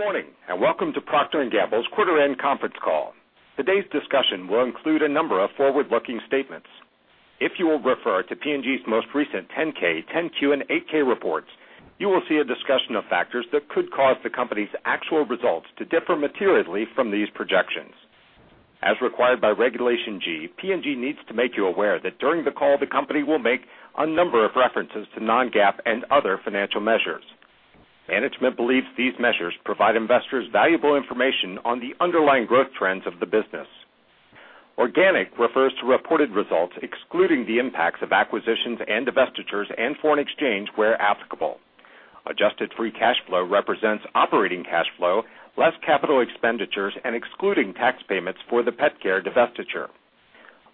Good morning, and welcome to Procter & Gamble's quarter end conference call. Today's discussion will include a number of forward-looking statements. If you will refer to P&G's most recent 10-K, 10-Q, and 8-K reports, you will see a discussion of factors that could cause the company's actual results to differ materially from these projections. As required by Regulation G, P&G needs to make you aware that during the call, the company will make a number of references to non-GAAP and other financial measures. Management believes these measures provide investors valuable information on the underlying growth trends of the business. Organic refers to reported results excluding the impacts of acquisitions and divestitures, and foreign exchange where applicable. Adjusted free cash flow represents operating cash flow, less capital expenditures and excluding tax payments for the Pet Care divestiture.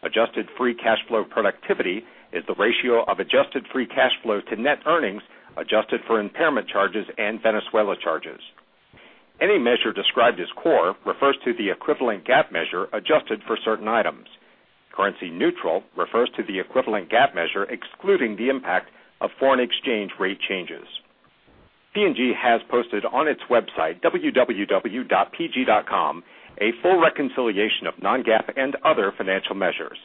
Adjusted free cash flow productivity is the ratio of adjusted free cash flow to net earnings, adjusted for impairment charges and Venezuela charges. Any measure described as core refers to the equivalent GAAP measure adjusted for certain items. Currency neutral refers to the equivalent GAAP measure excluding the impact of foreign exchange rate changes. P&G has posted on its website, www.pg.com, a full reconciliation of non-GAAP and other financial measures.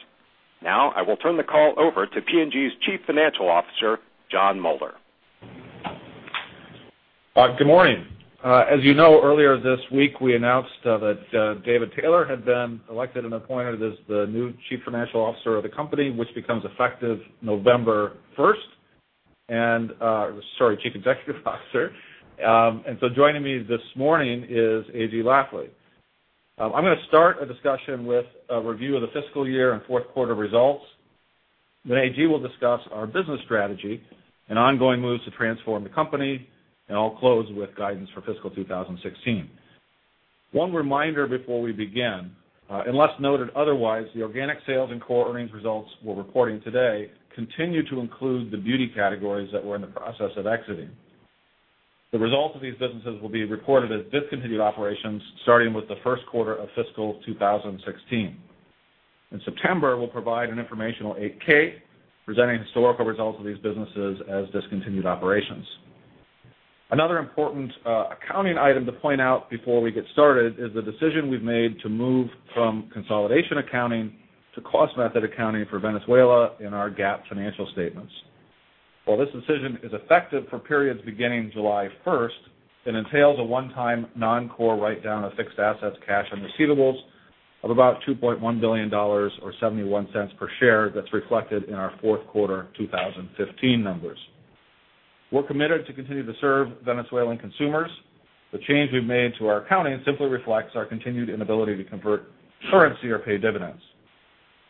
I will turn the call over to P&G's Chief Financial Officer, Jon Moeller. Good morning. As you know, earlier this week, we announced that David Taylor had been elected and appointed as the new Chief Financial Officer of the company, which becomes effective November 1st. Sorry, Chief Executive Officer. Joining me this morning is A.G. Lafley. I'm going to start a discussion with a review of the fiscal year and fourth quarter results. A.G. will discuss our business strategy and ongoing moves to transform the company, and I'll close with guidance for fiscal 2016. One reminder before we begin, unless noted otherwise, the organic sales and core earnings results we're reporting today continue to include the beauty categories that we're in the process of exiting. The results of these businesses will be reported as discontinued operations, starting with the first quarter of fiscal 2016. In September, we'll provide an informational 8-K presenting historical results of these businesses as discontinued operations. Another important accounting item to point out before we get started is the decision we've made to move from consolidation accounting to cost method accounting for Venezuela in our GAAP financial statements. While this decision is effective for periods beginning July 1st, it entails a one-time non-core write-down of fixed assets, cash, and receivables of about $2.1 billion, or $0.71 per share that's reflected in our fourth quarter 2015 numbers. We're committed to continue to serve Venezuelan consumers. The change we've made to our accounting simply reflects our continued inability to convert currency or pay dividends.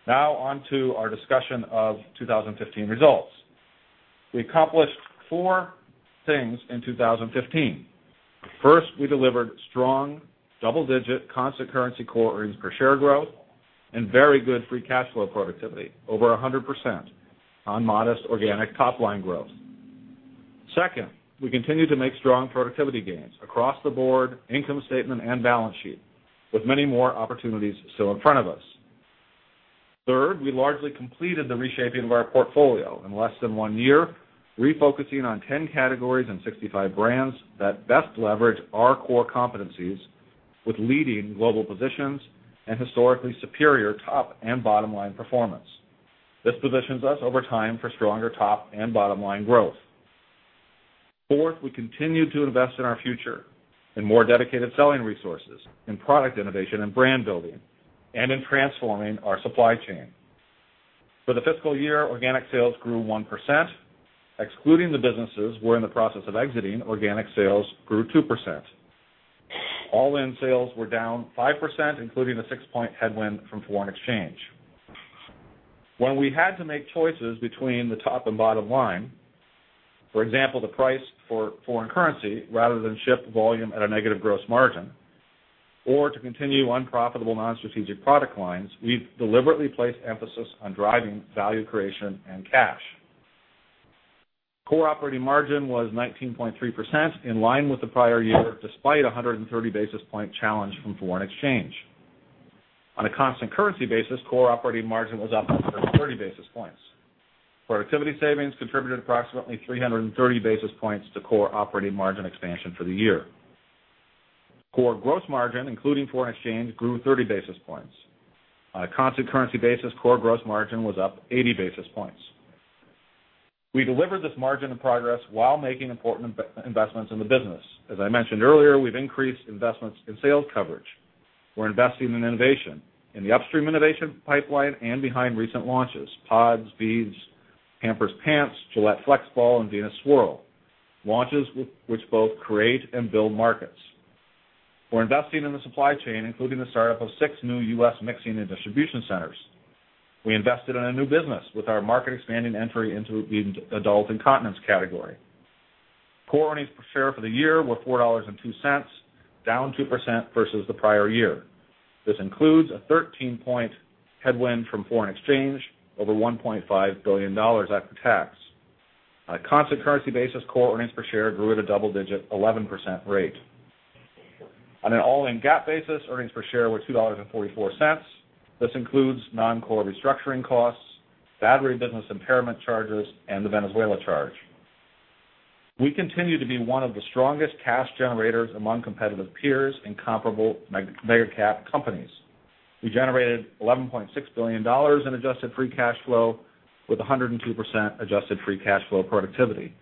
On to our discussion of 2015 results. We accomplished four things in 2015. First, we delivered strong double-digit constant currency core earnings per share growth, and very good free cash flow productivity, over 100% on modest organic top-line growth. Second, we continued to make strong productivity gains across the board, income statement, and balance sheet, with many more opportunities still in front of us. Third, we largely completed the reshaping of our portfolio. In less than one year, refocusing on 10 categories and 65 brands that best leverage our core competencies with leading global positions and historically superior top and bottom-line performance. This positions us over time for stronger top and bottom-line growth. Fourth, we continued to invest in our future in more dedicated selling resources, in product innovation and brand building, and in transforming our supply chain. For the fiscal year, organic sales grew 1%. Excluding the businesses we're in the process of exiting, organic sales grew 2%. All-in sales were down 5%, including the 6-point headwind from foreign exchange. When we had to make choices between the top and bottom-line, for example, the price for foreign currency, rather than ship volume at a negative gross margin, or to continue unprofitable non-strategic product lines, we've deliberately placed emphasis on driving value creation and cash. Core operating margin was 19.3%, in line with the prior year, despite 130 basis point challenge from foreign exchange. On a constant currency basis, core operating margin was up 130 basis points. Productivity savings contributed approximately 330 basis points to core operating margin expansion for the year. Core gross margin, including foreign exchange, grew 30 basis points. On a constant currency basis, core gross margin was up 80 basis points. We delivered this margin of progress while making important investments in the business. As I mentioned earlier, we've increased investments in sales coverage. We're investing in innovation, in the upstream innovation pipeline, and behind recent launches, pods, beads, Pampers pants, Gillette FlexBall, and Venus Swirl, launches which both create and build markets. We're investing in the supply chain, including the startup of 6 new U.S. mixing and distribution centers. We invested in a new business with our market expanding entry into the adult incontinence category. Core earnings per share for the year were $4.02, down 2% versus the prior year. This includes a 13-point headwind from foreign exchange, over $1.5 billion after tax. On a constant currency basis, core earnings per share grew at a double-digit 11% rate. On an all-in GAAP basis, earnings per share were $2.44. This includes non-core restructuring costs, Battery business impairment charges, and the Venezuela charge. We continue to be one of the strongest cash generators among competitive peers and comparable mega-cap companies. We generated $11.6 billion in adjusted free cash flow with 102% adjusted free cash flow productivity,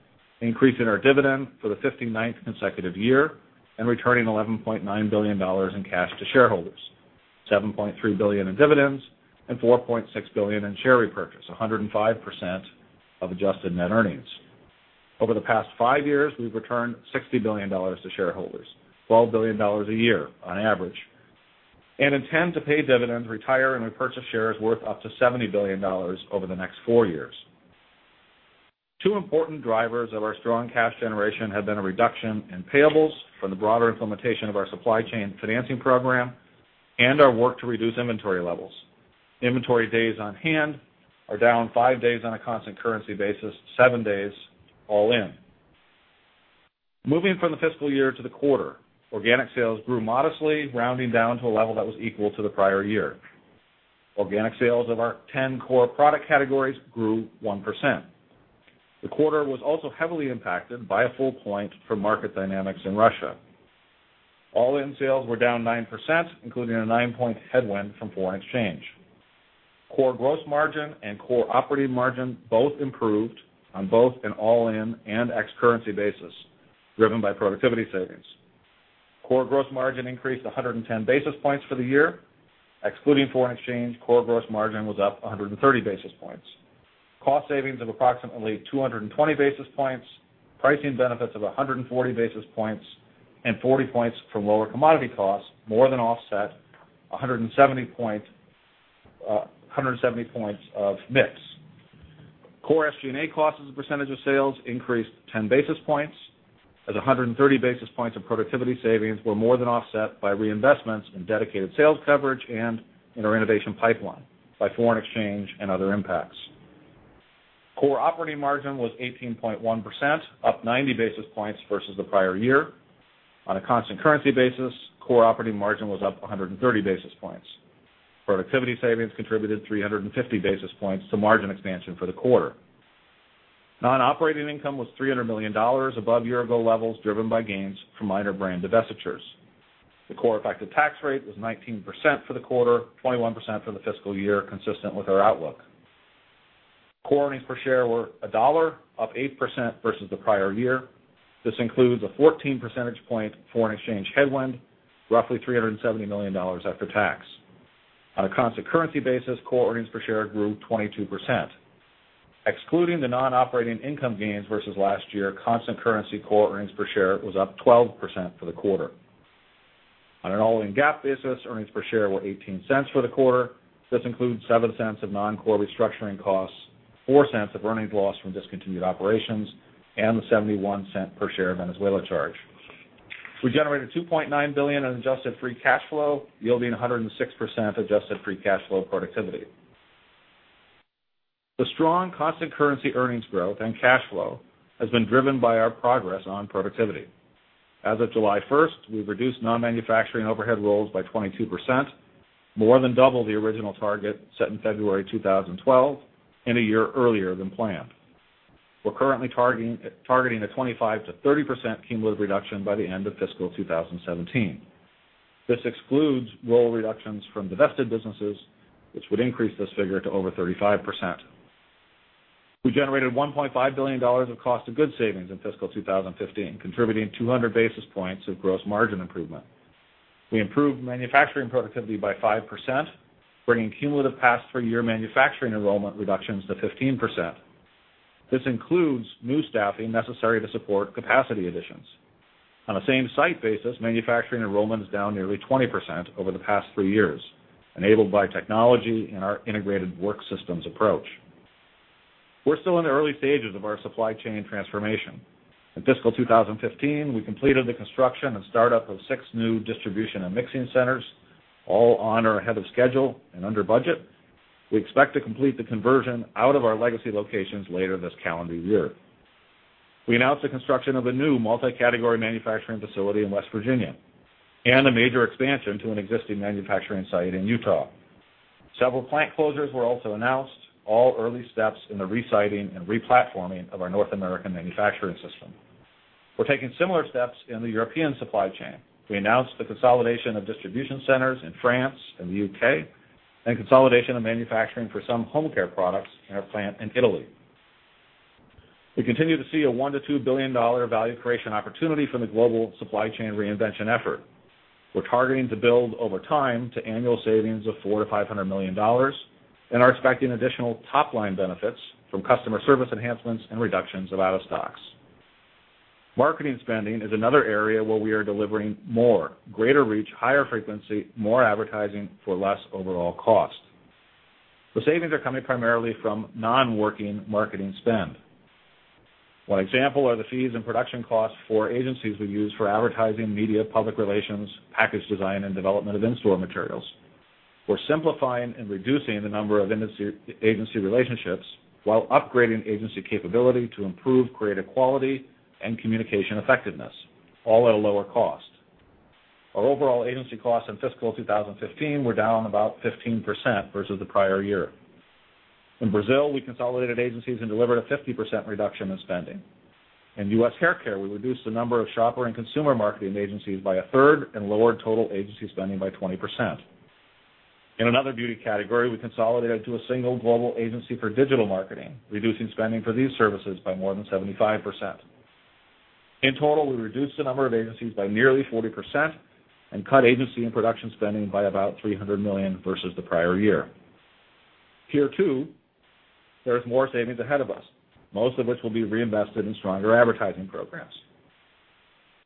increasing our dividend for the 59th consecutive year and returning $11.9 billion in cash to shareholders, $7.3 billion in dividends and $4.6 billion in share repurchase, 105% of adjusted net earnings. Over the past five years, we've returned $60 billion to shareholders, $12 billion a year on average, and intend to pay dividends, retire and repurchase shares worth up to $70 billion over the next four years. Two important drivers of our strong cash generation have been a reduction in payables from the broader implementation of our supply chain financing program and our work to reduce inventory levels. Inventory days on hand are down five days on a constant currency basis, seven days all in. Moving from the fiscal year to the quarter, organic sales grew modestly, rounding down to a level that was equal to the prior year. Organic sales of our 10 core product categories grew 1%. The quarter was also heavily impacted by a full point from market dynamics in Russia. All-in sales were down 9%, including a nine-point headwind from foreign exchange. Core gross margin and core operating margin both improved on both an all-in and ex currency basis, driven by productivity savings. Core gross margin increased 110 basis points for the year. Excluding foreign exchange, core gross margin was up 130 basis points. Cost savings of approximately 220 basis points, pricing benefits of 140 basis points, and 40 points from lower commodity costs more than offset 170 points of mix. Core SG&A costs as a percentage of sales increased 10 basis points, as 130 basis points of productivity savings were more than offset by reinvestments in dedicated sales coverage and in our innovation pipeline by foreign exchange and other impacts. Core operating margin was 18.1%, up 90 basis points versus the prior year. On a constant currency basis, core operating margin was up 130 basis points. Productivity savings contributed 350 basis points to margin expansion for the quarter. Non-operating income was $300 million above year-ago levels, driven by gains from minor brand divestitures. The core effective tax rate was 19% for the quarter, 21% for the fiscal year, consistent with our outlook. Core earnings per share were $1, up 8% versus the prior year. This includes a 14 percentage point foreign exchange headwind, roughly $370 million after tax. On a constant currency basis, core earnings per share grew 22%. Excluding the non-operating income gains versus last year, constant currency core earnings per share was up 12% for the quarter. On an all-in GAAP basis, earnings per share were $0.18 for the quarter. This includes $0.07 of non-core restructuring costs, $0.04 of earnings lost from discontinued operations, and the $0.71 per share Venezuela charge. We generated $2.9 billion in adjusted free cash flow, yielding 106% adjusted free cash flow productivity. The strong constant currency earnings growth and cash flow has been driven by our progress on productivity. As of July 1st, we've reduced non-manufacturing overhead roles by 22%, more than double the original target set in February 2012 and a year earlier than planned. We're currently targeting a 25%-30% cumulative reduction by the end of FY 2017. This excludes role reductions from divested businesses, which would increase this figure to over 35%. We generated $1.5 billion of cost of goods savings in FY 2015, contributing 200 basis points of gross margin improvement. We improved manufacturing productivity by 5%, bringing cumulative past three-year manufacturing enrollment reductions to 15%. This includes new staffing necessary to support capacity additions. On a same-site basis, manufacturing enrollment is down nearly 20% over the past three years, enabled by technology and our integrated work systems approach. We're still in the early stages of our supply chain transformation. In FY 2015, we completed the construction and startup of six new distribution and mixing centers, all on or ahead of schedule and under budget. We expect to complete the conversion out of our legacy locations later this calendar year. We announced the construction of a new multi-category manufacturing facility in West Virginia and a major expansion to an existing manufacturing site in Utah. Several plant closures were also announced, all early steps in the resiting and replatforming of our North American manufacturing system. We're taking similar steps in the European supply chain. We announced the consolidation of distribution centers in France and the U.K., and consolidation of manufacturing for some home care products in our plant in Italy. We continue to see a $1 billion-$2 billion value creation opportunity from the global supply chain reinvention effort. We're targeting to build over time to annual savings of $400 million-$500 million and are expecting additional top-line benefits from customer service enhancements and reductions of out-of-stocks. Marketing spending is another area where we are delivering more, greater reach, higher frequency, more advertising for less overall cost. The savings are coming primarily from non-working marketing spend. One example are the fees and production costs for agencies we use for advertising, media, public relations, package design, and development of in-store materials. We're simplifying and reducing the number of agency relationships while upgrading agency capability to improve creative quality and communication effectiveness, all at a lower cost. Our overall agency costs in fiscal 2015 were down about 15% versus the prior year. In Brazil, we consolidated agencies and delivered a 50% reduction in spending. In U.S. Hair Care, we reduced the number of shopper and consumer marketing agencies by a third and lowered total agency spending by 20%. In another beauty category, we consolidated to a single global agency for digital marketing, reducing spending for these services by more than 75%. In total, we reduced the number of agencies by nearly 40% and cut agency and production spending by about $300 million versus the prior year. Here too, there's more savings ahead of us, most of which will be reinvested in stronger advertising programs.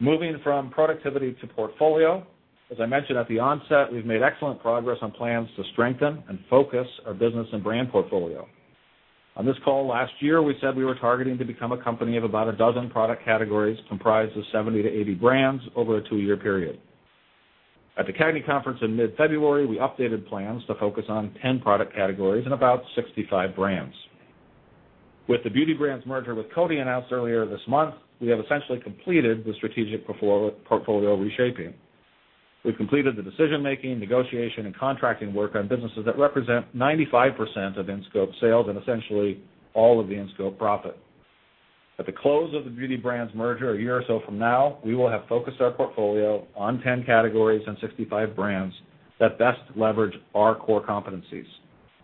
Moving from productivity to portfolio, as I mentioned at the onset, we've made excellent progress on plans to strengthen and focus our business and brand portfolio. On this call last year, we said we were targeting to become a company of about a dozen product categories comprised of 70-80 brands over a two-year period. At the CAGNY Conference in mid-February, we updated plans to focus on 10 product categories and about 65 brands. With the Beauty Brands merger with Coty announced earlier this month, we have essentially completed the strategic portfolio reshaping. We've completed the decision-making, negotiation, and contracting work on businesses that represent 95% of in-scope sales and essentially all of the in-scope profit. At the close of the Beauty Brands merger a year or so from now, we will have focused our portfolio on 10 categories and 65 brands that best leverage our core competencies.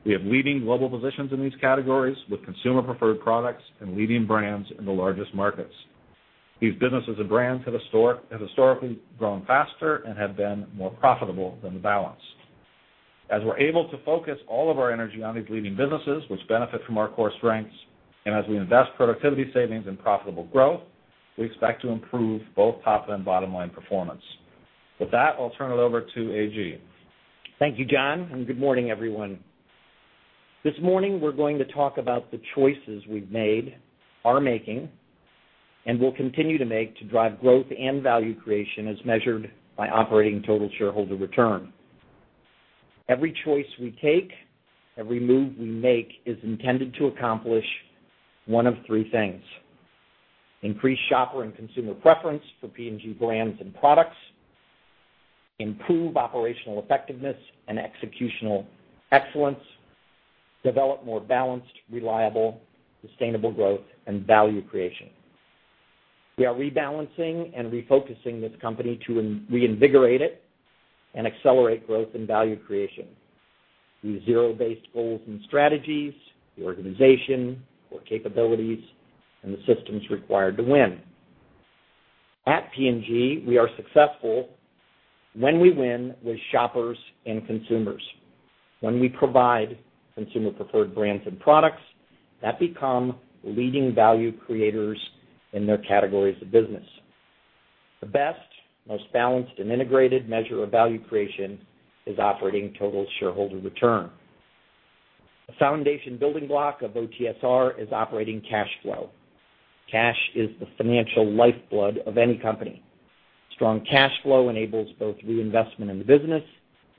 We have leading global positions in these categories with consumer-preferred products and leading brands in the largest markets. These businesses and brands have historically grown faster and have been more profitable than the balance. As we're able to focus all of our energy on these leading businesses, which benefit from our core strengths, and as we invest productivity savings and profitable growth, we expect to improve both top-line and bottom-line performance. With that, I'll turn it over to A.G. Thank you, Jon, and good morning, everyone. This morning, we're going to talk about the choices we've made, are making, and will continue to make to drive growth and value creation as measured by operating total shareholder return. Every choice we take, every move we make is intended to accomplish one of three things. Increase shopper and consumer preference for P&G brands and products, improve operational effectiveness and executional excellence, develop more balanced, reliable, sustainable growth and value creation. We are rebalancing and refocusing this company to reinvigorate it and accelerate growth and value creation through zero-based goals and strategies, the organization, core capabilities, and the systems required to win. At P&G, we are successful when we win with shoppers and consumers, when we provide consumer-preferred brands and products that become leading value creators in their categories of business. The best, most balanced, and integrated measure of value creation is operating total shareholder return. The foundation building block of OTSR is operating cash flow. Cash is the financial lifeblood of any company. Strong cash flow enables both reinvestment in the business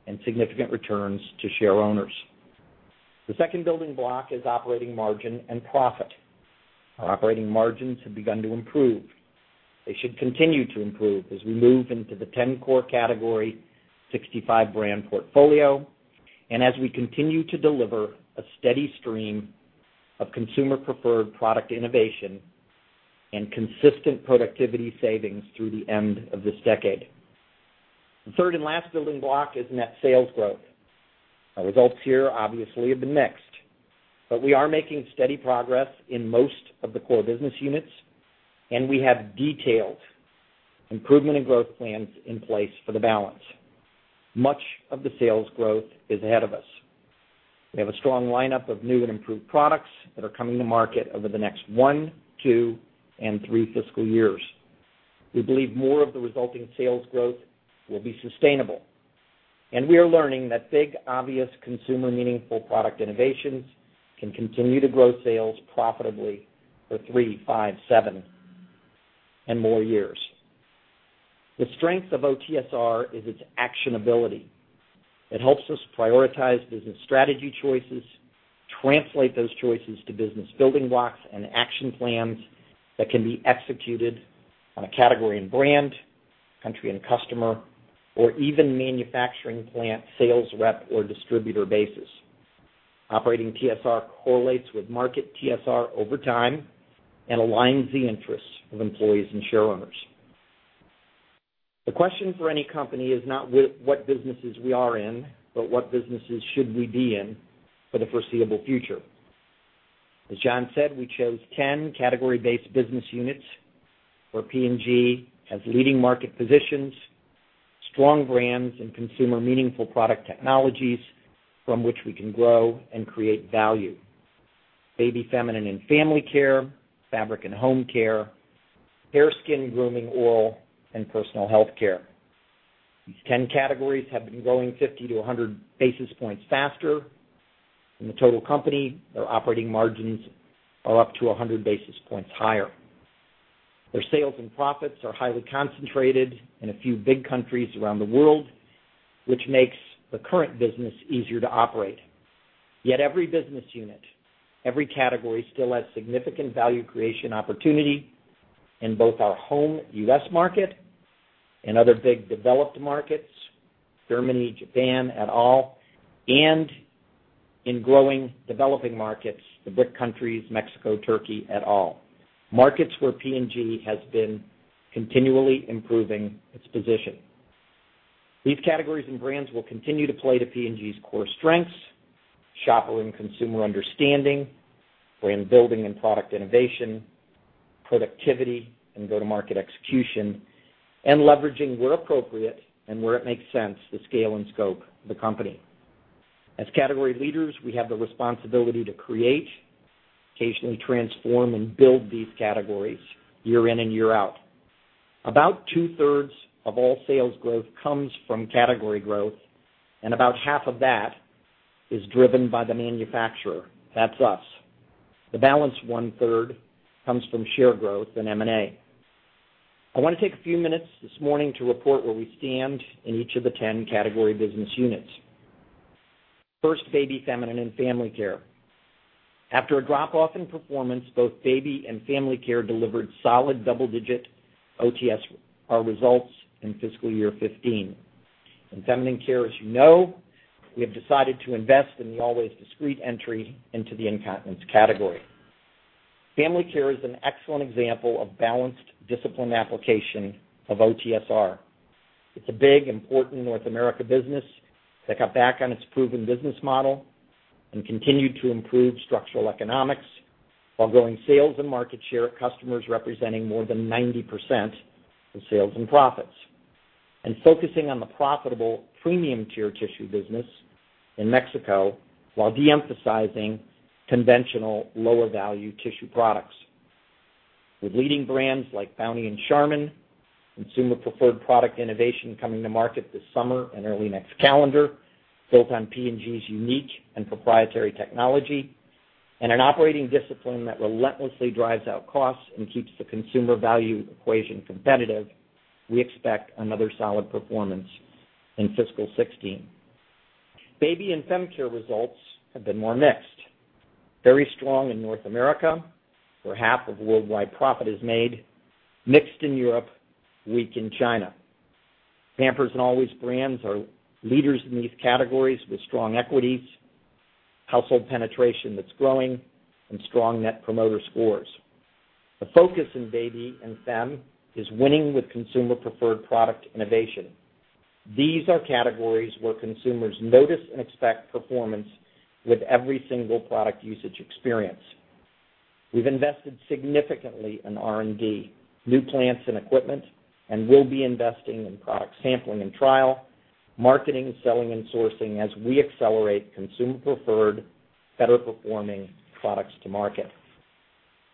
and significant returns to shareowners. The second building block is operating margin and profit. Our operating margins have begun to improve. They should continue to improve as we move into the 10-core category, 65-brand portfolio, and as we continue to deliver a steady stream of consumer-preferred product innovation and consistent productivity savings through the end of this decade. The third and last building block is net sales growth. Our results here obviously have been mixed, but we are making steady progress in most of the core business units, and we have detailed improvement and growth plans in place for the balance. Much of the sales growth is ahead of us. We have a strong lineup of new and improved products that are coming to market over the next one, two, and three fiscal years. We believe more of the resulting sales growth will be sustainable, and we are learning that big, obvious consumer meaningful product innovations can continue to grow sales profitably for three, five, seven, and more years. The strength of OTSR is its actionability. It helps us prioritize business strategy choices, translate those choices to business building blocks and action plans that can be executed on a category and brand, country and customer, or even manufacturing plant, sales rep, or distributor basis. Operating TSR correlates with market TSR over time and aligns the interests of employees and shareowners. The question for any company is not what businesses we are in, but what businesses should we be in for the foreseeable future. As Jon said, we chose 10 category-based business units where P&G has leading market positions, strong brands, and consumer meaningful product technologies from which we can grow and create value. Baby, feminine, and family care, fabric and home care, hair, skin, grooming, Oral, and personal healthcare. These 10 categories have been growing 50 to 100 basis points faster than the total company. Their operating margins are up to 100 basis points higher. Their sales and profits are highly concentrated in a few big countries around the world, which makes the current business easier to operate. Yet every business unit, every category still has significant value creation opportunity in both our home U.S. market and other big developed markets, Germany, Japan, et al., and in growing developing markets, the BRIC countries, Mexico, Turkey, et al., markets where P&G has been continually improving its position. These categories and brands will continue to play to P&G's core strengths, shopper and consumer understanding, brand building and product innovation, productivity, and go-to-market execution, and leveraging where appropriate and where it makes sense, the scale and scope of the company. As category leaders, we have the responsibility to create, occasionally transform, and build these categories year in and year out. About two-thirds of all sales growth comes from category growth, and about half of that is driven by the manufacturer. That's us. The balance one-third comes from share growth and M&A. I want to take a few minutes this morning to report where we stand in each of the 10 category business units. First, baby, feminine, and family care. After a drop-off in performance, both baby and family care delivered solid double-digit OTSR results in fiscal year 2015. In feminine care, as you know, we have decided to invest in the Always Discreet entry into the incontinence category. Family care is an excellent example of balanced, disciplined application of OTSR. It's a big, important North America business that got back on its proven business model and continued to improve structural economics while growing sales and market share at customers representing more than 90% of sales and profits, and focusing on the profitable premium-tier tissue business in Mexico while de-emphasizing conventional lower-value tissue products. With leading brands like Bounty and Charmin, consumer-preferred product innovation coming to market this summer and early next calendar, built on P&G's unique and proprietary technology, and an operating discipline that relentlessly drives out costs and keeps the consumer value equation competitive, we expect another solid performance in fiscal 2016. Baby and fem care results have been more mixed. Very strong in North America, where half of worldwide profit is made, mixed in Europe, weak in China. Pampers and Always brands are leaders in these categories with strong equities, household penetration that's growing, and strong net promoter scores. The focus in baby and fem is winning with consumer-preferred product innovation. These are categories where consumers notice and expect performance with every single product usage experience. We've invested significantly in R&D, new plants and equipment, and will be investing in product sampling and trial, marketing, selling, and sourcing as we accelerate consumer-preferred, better-performing products to market.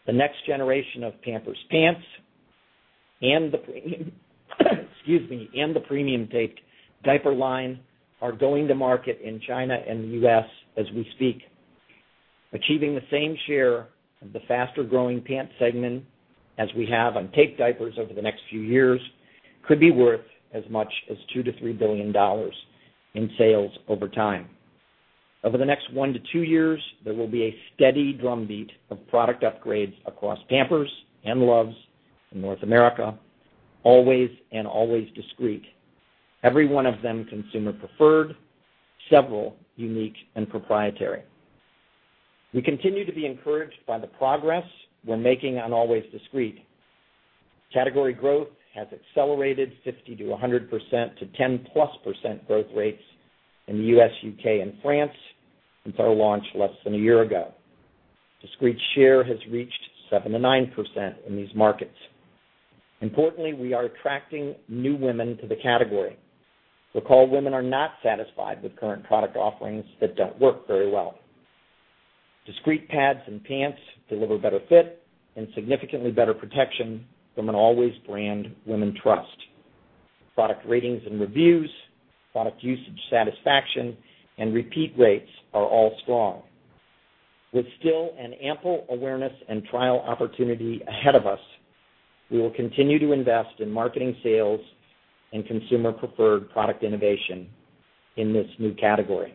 The next generation of Pampers pants and the premium tape diaper line are going to market in China and the U.S. as we speak. Achieving the same share of the faster-growing pant segment as we have on tape diapers over the next few years could be worth as much as $2 billion to $3 billion in sales over time. Over the next one to two years, there will be a steady drumbeat of product upgrades across Pampers and Luvs in North America, Always and Always Discreet, every one of them consumer preferred, several unique and proprietary. We continue to be encouraged by the progress we're making on Always Discreet. Category growth has accelerated 50% to 100% to 10-plus % growth rates in the U.S., U.K., and France since our launch less than a year ago. Discreet share has reached 7%-9% in these markets. Importantly, we are attracting new women to the category. Recall women are not satisfied with current product offerings that don't work very well. Discreet pads and pants deliver better fit and significantly better protection from an Always brand women trust. Product ratings and reviews, product usage satisfaction, and repeat rates are all strong. With still an ample awareness and trial opportunity ahead of us, we will continue to invest in marketing, sales, and consumer-preferred product innovation in this new category.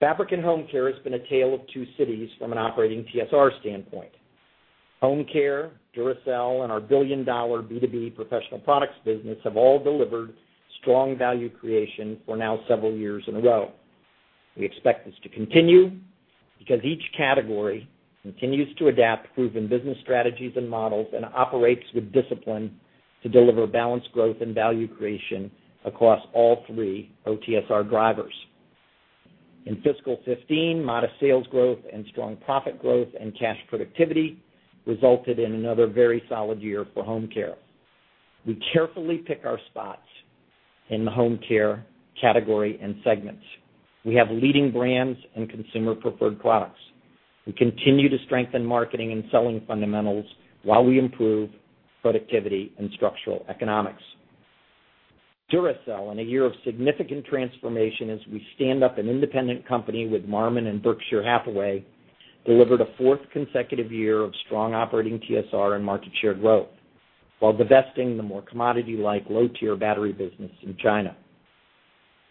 Fabric and home care has been a tale of two cities from an operating TSR standpoint. Home care, Duracell, and our billion-dollar B2B professional products business have all delivered strong value creation for now several years in a row. We expect this to continue because each category continues to adapt proven business strategies and models and operates with discipline to deliver balanced growth and value creation across all three OTSR drivers. In fiscal 2015, modest sales growth and strong profit growth and cash productivity resulted in another very solid year for home care. We carefully pick our spots in the home care category and segments. We have leading brands and consumer-preferred products. We continue to strengthen marketing and selling fundamentals while we improve productivity and structural economics. Duracell, in a year of significant transformation as we stand up an independent company with Marmon and Berkshire Hathaway, delivered a fourth consecutive year of strong operating TSR and market share growth. While divesting the more commodity-like low-tier battery business in China.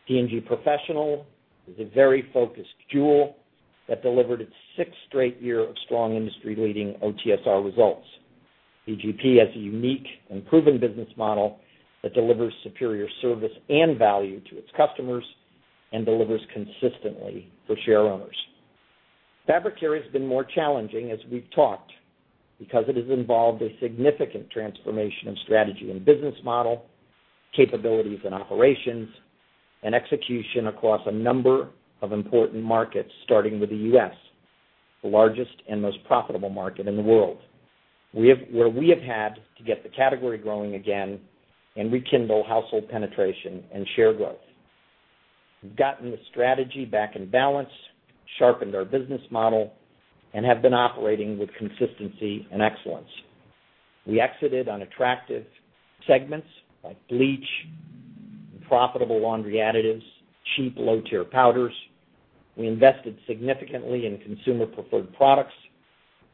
P&G Professional is a very focused jewel that delivered its sixth straight year of strong industry-leading OTSR results. PGP has a unique and proven business model that delivers superior service and value to its customers and delivers consistently for shareowners. Fabric Care has been more challenging, as we've talked, because it has involved a significant transformation of strategy and business model, capabilities and operations, and execution across a number of important markets, starting with the U.S., the largest and most profitable market in the world, where we have had to get the category growing again and rekindle household penetration and share growth. We've gotten the strategy back in balance, sharpened our business model, and have been operating with consistency and excellence. We exited unattractive segments like bleach, profitable laundry additives, cheap low-tier powders. We invested significantly in consumer-preferred products.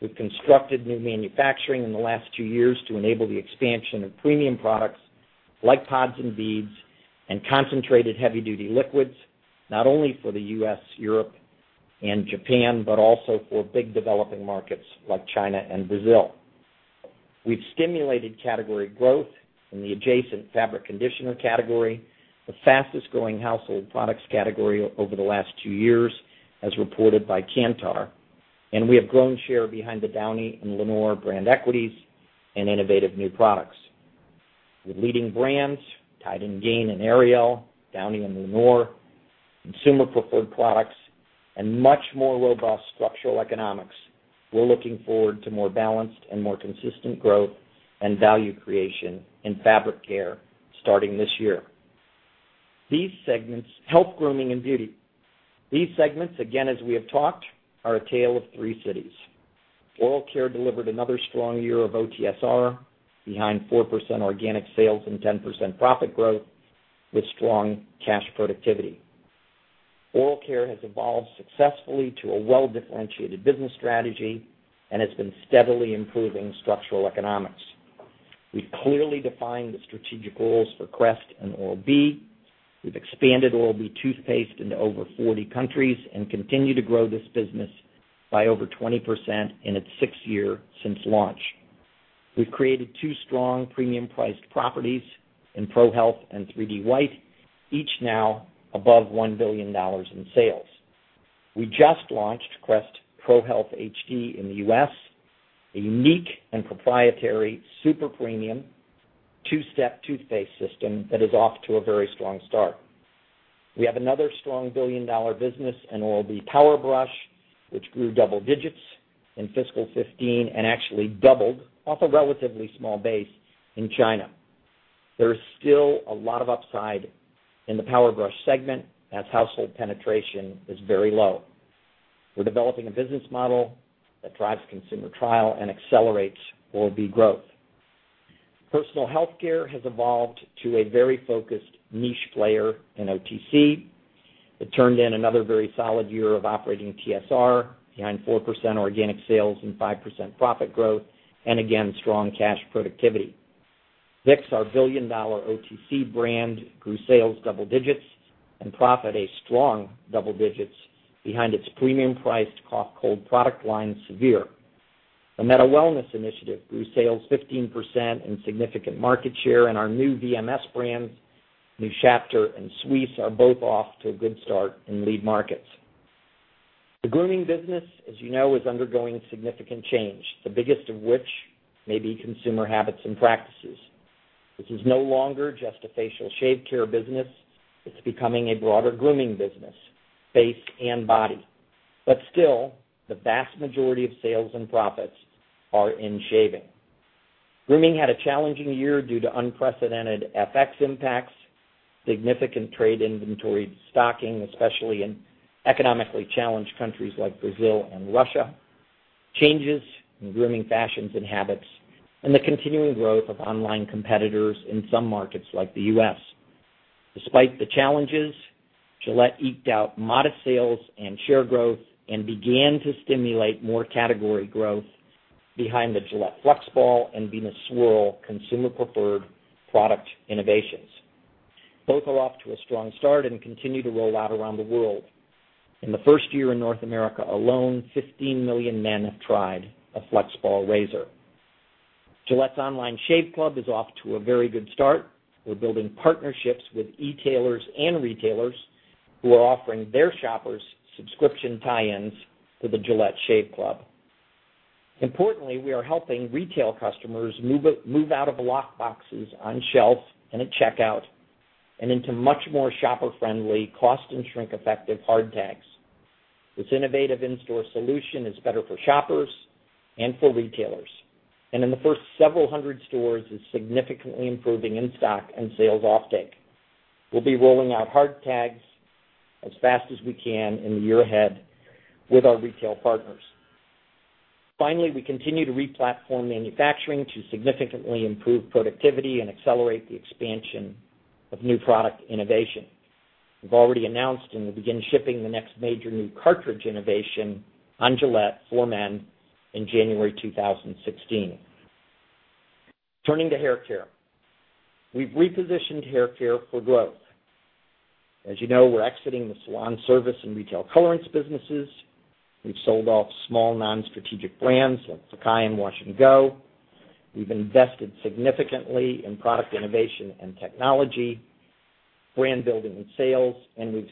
We've constructed new manufacturing in the last two years to enable the expansion of premium products like pods and beads and concentrated heavy-duty liquids, not only for the U.S., Europe, and Japan, but also for big developing markets like China and Brazil. We've stimulated category growth in the adjacent fabric conditioner category, the fastest-growing household products category over the last two years, as reported by Kantar. We have grown share behind the Downy and Lenor brand equities and innovative new products. With leading brands, Tide and Gain and Ariel, Downy and Lenor, consumer-preferred products, and much more robust structural economics, we're looking forward to more balanced and more consistent growth and value creation in Fabric Care starting this year. Health, Grooming, and Beauty. These segments, again, as we have talked, are a tale of three cities. Oral Care delivered another strong year of OTSR behind 4% organic sales and 10% profit growth with strong cash productivity. Oral Care has evolved successfully to a well-differentiated business strategy and has been steadily improving structural economics. We've clearly defined the strategic roles for Crest and Oral-B. We've expanded Oral-B toothpaste into over 40 countries and continue to grow this business by over 20% in its sixth year since launch. We've created two strong premium-priced properties in ProHealth and 3D White, each now above $1 billion in sales. We just launched Crest ProHealth HD in the U.S., a unique and proprietary super premium two-step toothpaste system that is off to a very strong start. We have another strong billion-dollar business in Oral-B Power Brush, which grew double digits in FY 2015 and actually doubled off a relatively small base in China. There is still a lot of upside in the Power Brush segment as household penetration is very low. We're developing a business model that drives consumer trial and accelerates Oral-B growth. Personal Healthcare has evolved to a very focused niche player in OTC. It turned in another very solid year of operating TSR behind 4% organic sales and 5% profit growth. Again, strong cash productivity. Vicks, our billion-dollar OTC brand, grew sales double digits and profit a strong double digits behind its premium-priced cough, cold product line, Severe. The Meta Wellness initiative grew sales 15% and significant market share. Our new VMS brands, New Chapter and Swisse, are both off to a good start in lead markets. The Grooming business, as you know, is undergoing significant change, the biggest of which may be consumer habits and practices. This is no longer just a facial shave care business. It's becoming a broader grooming business, face and body. Still, the vast majority of sales and profits are in shaving. Grooming had a challenging year due to unprecedented FX impacts, significant trade inventory stocking, especially in economically challenged countries like Brazil and Russia, changes in grooming fashions and habits, and the continuing growth of online competitors in some markets like the U.S. Despite the challenges, Gillette eked out modest sales and share growth and began to stimulate more category growth behind the Gillette FlexBall and Venus Swirl consumer-preferred product innovations. Both are off to a strong start and continue to roll out around the world. In the first year in North America alone, 15 million men have tried a FlexBall razor. Gillette Shave Club is off to a very good start. We're building partnerships with e-tailers and retailers who are offering their shoppers subscription tie-ins to the Gillette Shave Club. Importantly, we are helping retail customers move out of lock boxes on shelves and at checkout and into much more shopper-friendly, cost, and shrink-effective hard tags. This innovative in-store solution is better for shoppers and for retailers. In the first several hundred stores, it's significantly improving in-stock and sales off-take. We'll be rolling out hard tags as fast as we can in the year ahead with our retail partners. Finally, we continue to re-platform manufacturing to significantly improve productivity and accelerate the expansion of new product innovation. We've already announced and will begin shipping the next major new cartridge innovation on Gillette for men in January 2016. Turning to hair care. We've repositioned hair care for growth. As you know, we're exiting the salon service and retail colorants businesses. We've sold off small non-strategic brands like Fekkai and Wash & Go. We've invested significantly in product innovation and technology, brand building and sales, and we've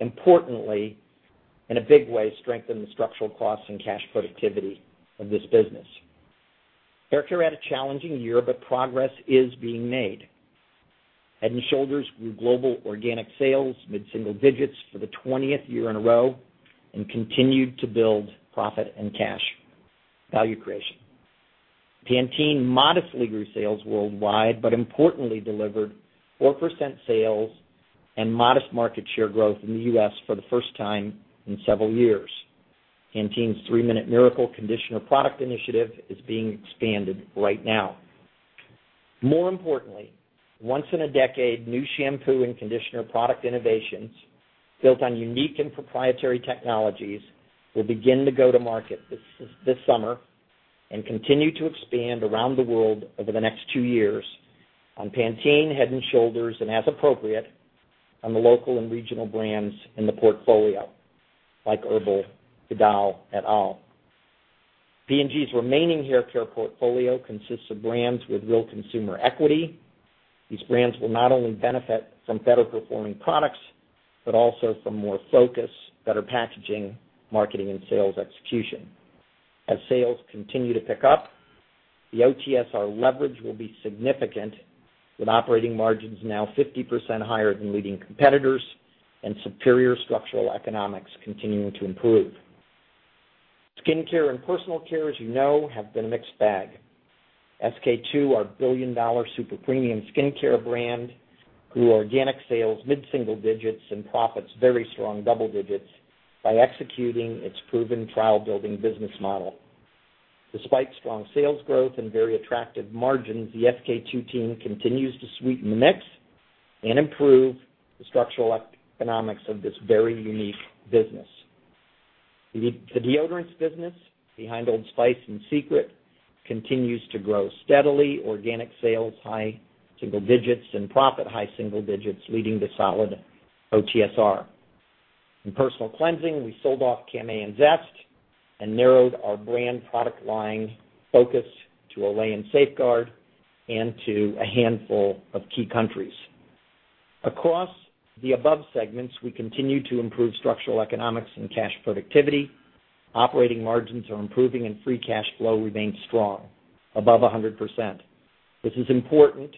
importantly, in a big way, strengthened the structural costs and cash productivity of this business. Hair care had a challenging year, but progress is being made. Head & Shoulders grew global organic sales mid-single digits for the 20th year in a row and continued to build profit and cash value creation. Pantene modestly grew sales worldwide, but importantly delivered 4% sales and modest market share growth in the U.S. for the first time in several years. Pantene's three-minute miracle conditioner product initiative is being expanded right now. More importantly, once in a decade, new shampoo and conditioner product innovations built on unique and proprietary technologies will begin to go to market this summer, and continue to expand around the world over the next two years on Pantene, Head & Shoulders, and as appropriate, on the local and regional brands in the portfolio, like Herbal Essences, Vidal, et al. P&G's remaining hair care portfolio consists of brands with real consumer equity. These brands will not only benefit from better performing products, but also from more focus, better packaging, marketing, and sales execution. As sales continue to pick up, the OTSR leverage will be significant with operating margins now 50% higher than leading competitors and superior structural economics continuing to improve. Skin care and personal care, as you know, have been a mixed bag. SK-II, our billion-dollar super premium skincare brand, grew organic sales mid-single digits and profits very strong double digits by executing its proven trial-building business model. Despite strong sales growth and very attractive margins, the SK-II team continues to sweeten the mix and improve the structural economics of this very unique business. The deodorants business behind Old Spice and Secret continues to grow steadily, organic sales high single digits, and profit high single digits, leading to solid OTSR. In personal cleansing, we sold off Camay and Zest, and narrowed our brand product line focus to Olay and Safeguard and to a handful of key countries. Across the above segments, we continue to improve structural economics and cash productivity. Operating margins are improving and free cash flow remains strong, above 100%. This is important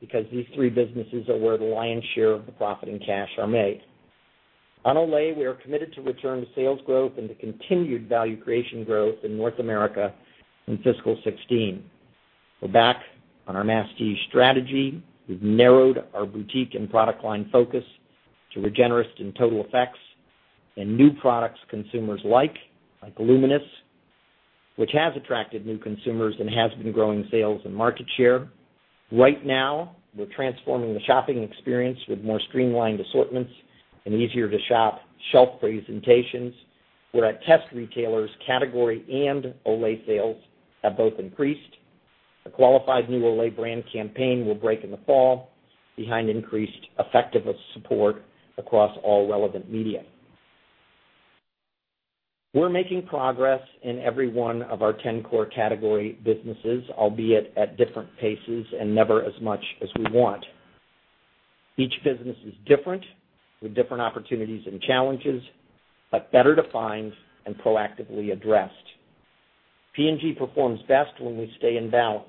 because these three businesses are where the lion's share of the profit and cash are made. On Olay, we are committed to return to sales growth and to continued value creation growth in North America in fiscal 2016. We're back on our masstige strategy. We've narrowed our boutique and product line focus to Regenerist and Total Effects and new products consumers like Luminous, which has attracted new consumers and has been growing sales and market share. Right now, we're transforming the shopping experience with more streamlined assortments and easier-to-shop shelf presentations, where at test retailers, category and Olay sales have both increased. A qualified new Olay brand campaign will break in the fall behind increased effective support across all relevant media. We're making progress in every one of our 10 core category businesses, albeit at different paces and never as much as we want. Each business is different with different opportunities and challenges, but better defined and proactively addressed. P&G performs best when we stay in balance.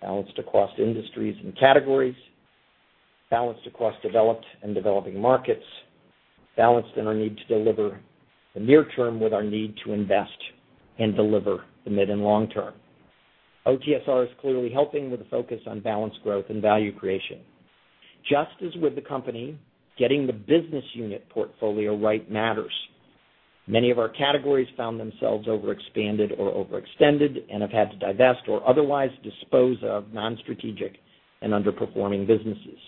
Balanced across industries and categories, balanced across developed and developing markets, balanced in our need to deliver the near term with our need to invest and deliver the mid and long term. OTSR is clearly helping with the focus on balanced growth and value creation. Just as with the company, getting the business unit portfolio right matters. Many of our categories found themselves overexpanded or overextended and have had to divest or otherwise dispose of non-strategic and underperforming businesses.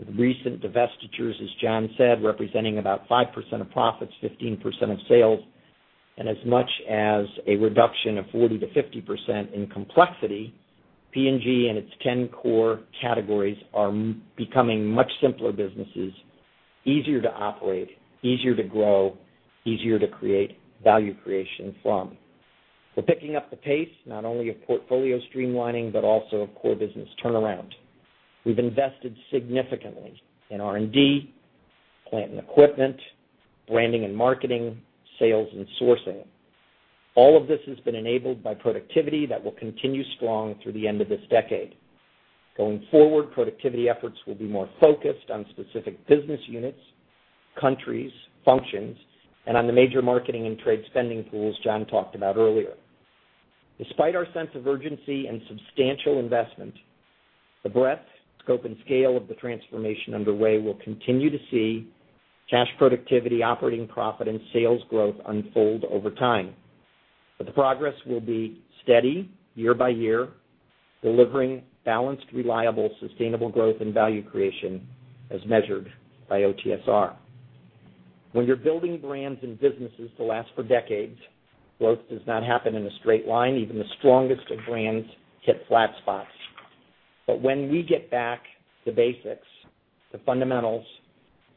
With recent divestitures, as Jon said, representing about 5% of profits, 15% of sales, and as much as a reduction of 40%-50% in complexity, P&G and its ten core categories are becoming much simpler businesses, easier to operate, easier to grow, easier to create value creation from. We're picking up the pace, not only of portfolio streamlining, but also of core business turnaround. We've invested significantly in R&D, plant and equipment, branding and marketing, sales, and sourcing. All of this has been enabled by productivity that will continue strong through the end of this decade. Going forward, productivity efforts will be more focused on specific business units, countries, functions, and on the major marketing and trade spending pools Jon talked about earlier. Despite our sense of urgency and substantial investment, the breadth, scope, and scale of the transformation underway will continue to see cash productivity, operating profit, and sales growth unfold over time. The progress will be steady year by year, delivering balanced, reliable, sustainable growth and value creation as measured by OTSR. When you're building brands and businesses to last for decades, growth does not happen in a straight line. Even the strongest of brands hit flat spots. When we get back to basics, the fundamentals,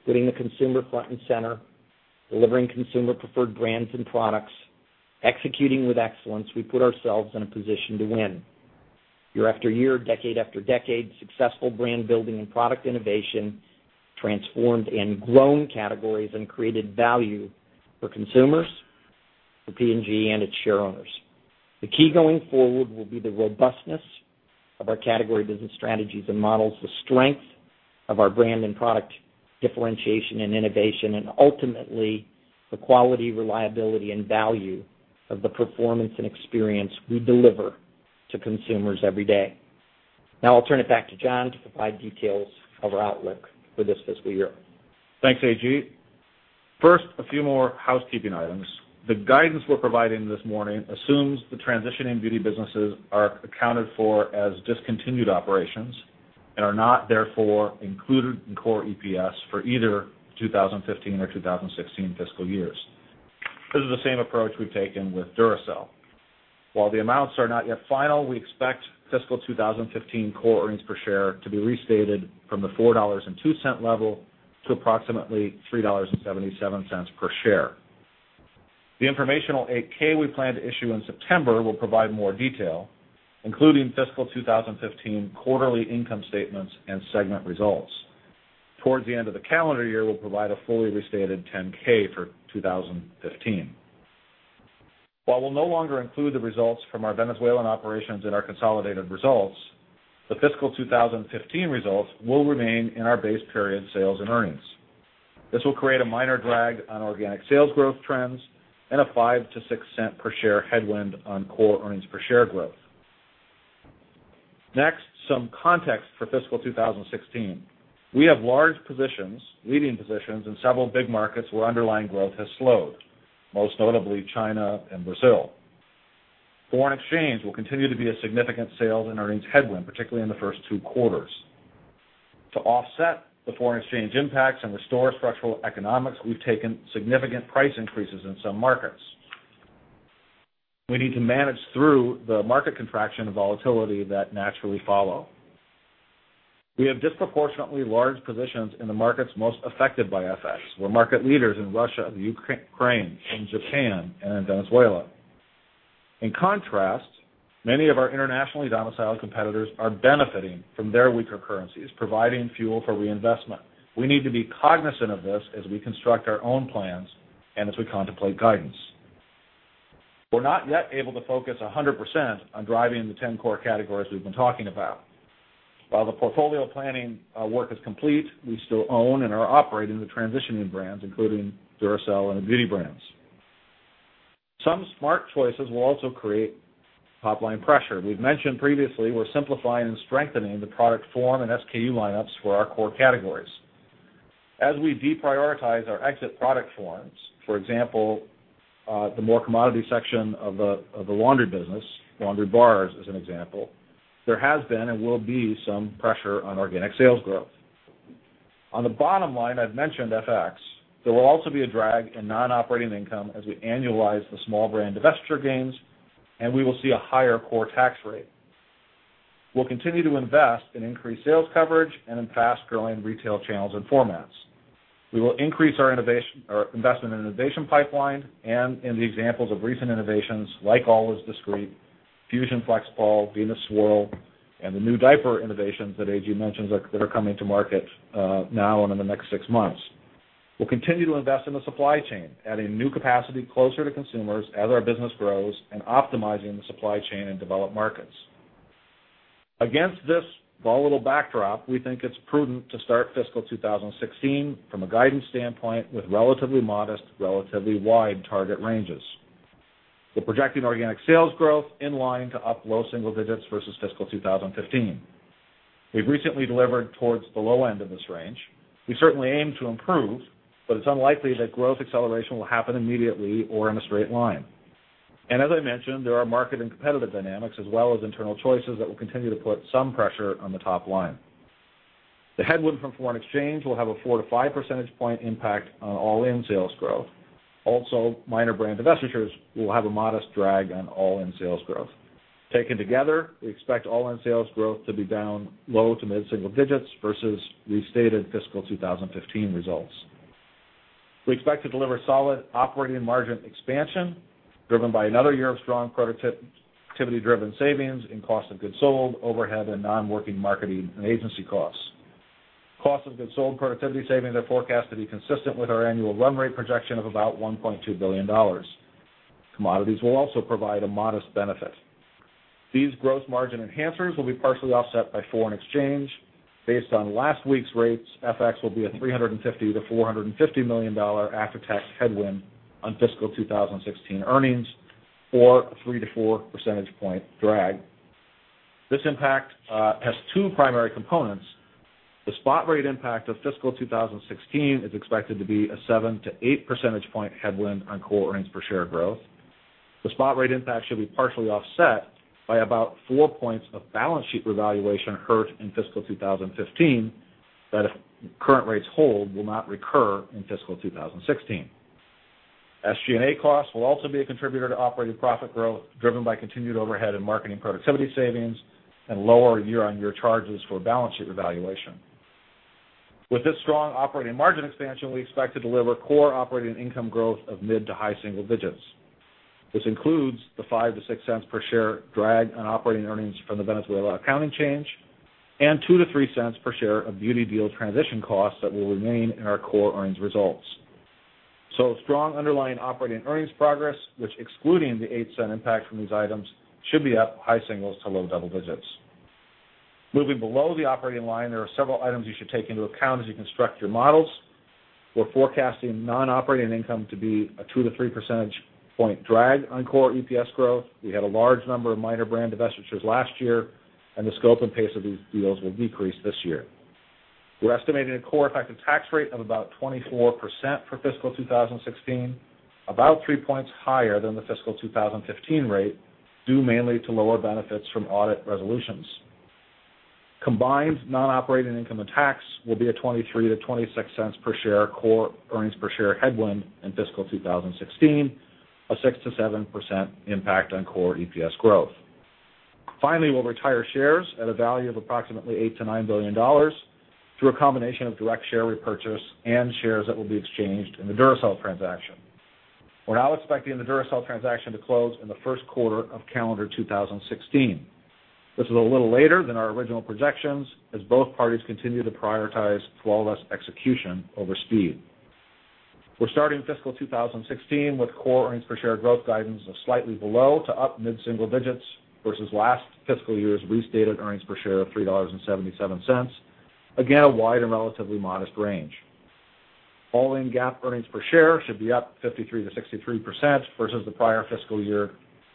putting the consumer front and center, delivering consumer preferred brands and products, executing with excellence, we put ourselves in a position to win. Year after year, decade after decade, successful brand building and product innovation, transformed and grown categories, and created value for consumers, for P&G, and its shareowners. The key going forward will be the robustness of our category business strategies and models, the strength of our brand and product differentiation and innovation, and ultimately, the quality, reliability, and value of the performance and experience we deliver to consumers every day. I'll turn it back to Jon to provide details of our outlook for this fiscal year. Thanks, AG. First, a few more housekeeping items. The guidance we're providing this morning assumes the transitioning beauty businesses are accounted for as discontinued operations and are not therefore included in core EPS for either 2015 or 2016 fiscal years. This is the same approach we've taken with Duracell. While the amounts are not yet final, we expect fiscal 2015 core earnings per share to be restated from the $4.02 level to approximately $3.77 per share. The informational 8-K we plan to issue in September will provide more detail, including fiscal 2015 quarterly income statements and segment results. Towards the end of the calendar year, we'll provide a fully restated 10-K for 2015. While we'll no longer include the results from our Venezuelan operations in our consolidated results, the fiscal 2015 results will remain in our base period sales and earnings. This will create a minor drag on organic sales growth trends and a $0.05-$0.06 per share headwind on core earnings per share growth. Next, some context for fiscal 2016. We have large positions, leading positions in several big markets where underlying growth has slowed, most notably China and Brazil. Foreign exchange will continue to be a significant sales and earnings headwind, particularly in the first two quarters. To offset the foreign exchange impacts and restore structural economics, we've taken significant price increases in some markets. We need to manage through the market contraction and volatility that naturally follow. We have disproportionately large positions in the markets most affected by FX. We're market leaders in Russia, Ukraine, Japan, and Venezuela. In contrast, many of our internationally domiciled competitors are benefiting from their weaker currencies, providing fuel for reinvestment. We need to be cognizant of this as we construct our own plans and as we contemplate guidance. We're not yet able to focus 100% on driving the 10 core categories we've been talking about. While the portfolio planning work is complete, we still own and are operating the transitioning brands, including Duracell and the beauty brands. Some smart choices will also create top-line pressure. We've mentioned previously, we're simplifying and strengthening the product form and SKU lineups for our core categories. As we deprioritize our exit product forms, for example, the more commodity section of the laundry business, laundry bars as an example, there has been and will be some pressure on organic sales growth. On the bottom line, I've mentioned FX. There will also be a drag in non-operating income as we annualize the small brand divestiture gains, and we will see a higher core tax rate. We'll continue to invest in increased sales coverage and in fast-growing retail channels and formats. We will increase our investment in innovation pipeline and in the examples of recent innovations like Always Discreet, Fusion FlexBall, Venus Swirl, and the new diaper innovations that A.G. mentioned that are coming to market now and in the next six months. We'll continue to invest in the supply chain, adding new capacity closer to consumers as our business grows and optimizing the supply chain in developed markets. Against this volatile backdrop, we think it's prudent to start fiscal 2016 from a guidance standpoint with relatively modest, relatively wide target ranges. We're projecting organic sales growth in line to up low single digits versus fiscal 2015. We've recently delivered towards the low end of this range. We certainly aim to improve, but it's unlikely that growth acceleration will happen immediately or in a straight line. As I mentioned, there are market and competitive dynamics as well as internal choices that will continue to put some pressure on the top line. The headwind from foreign exchange will have a four to five percentage point impact on all-in sales growth. Also, minor brand divestitures will have a modest drag on all-in sales growth. Taken together, we expect all-in sales growth to be down low to mid-single digits versus restated fiscal 2015 results. We expect to deliver solid operating margin expansion driven by another year of strong productivity-driven savings in Cost of goods sold, overhead, and non-working marketing and agency costs. Cost of goods sold productivity savings are forecast to be consistent with our annual run rate projection of about $1.2 billion. Commodities will also provide a modest benefit. These gross margin enhancers will be partially offset by foreign exchange. Based on last week's rates, FX will be a $350 million-$450 million after-tax headwind on fiscal 2016 earnings, or a 3-4 percentage point drag. This impact has two primary components. The spot rate impact of fiscal 2016 is expected to be a 7-8 percentage point headwind on core earnings per share growth. The spot rate impact should be partially offset by about four points of balance sheet revaluation hurt in fiscal 2015, that if current rates hold, will not recur in fiscal 2016. SG&A costs will also be a contributor to operating profit growth, driven by continued overhead and marketing productivity savings and lower year-on-year charges for balance sheet revaluation. With this strong operating margin expansion, we expect to deliver core operating income growth of mid to high single digits. This includes the $0.05-$0.06 per share drag on operating earnings from the Venezuela accounting change and $0.02-$0.03 per share of Beauty deal transition costs that will remain in our core earnings results. Strong underlying operating earnings progress, which excluding the $0.08 impact from these items, should be up high singles to low double digits. Moving below the operating line, there are several items you should take into account as you construct your models. We're forecasting non-operating income to be a 2-3 percentage point drag on core EPS growth. We had a large number of minor brand divestitures last year, and the scope and pace of these deals will decrease this year. We're estimating a core effective tax rate of about 24% for fiscal 2016, about three points higher than the fiscal 2015 rate, due mainly to lower benefits from audit resolutions. Combined non-operating income and tax will be a $0.23-$0.26 per share core earnings per share headwind in fiscal 2016, a 6%-7% impact on core EPS growth. Finally, we'll retire shares at a value of approximately $8 billion-$9 billion through a combination of direct share repurchase and shares that will be exchanged in the Duracell transaction. We're now expecting the Duracell transaction to close in the first quarter of calendar 2016. This is a little later than our original projections, as both parties continue to prioritize flawless execution over speed. We're starting fiscal 2016 with core earnings per share growth guidance of slightly below to up mid-single digits versus last fiscal year's restated earnings per share of $3.77. Again, a wide and relatively modest range. All-in GAAP earnings per share should be up 53%-63% versus the prior fiscal year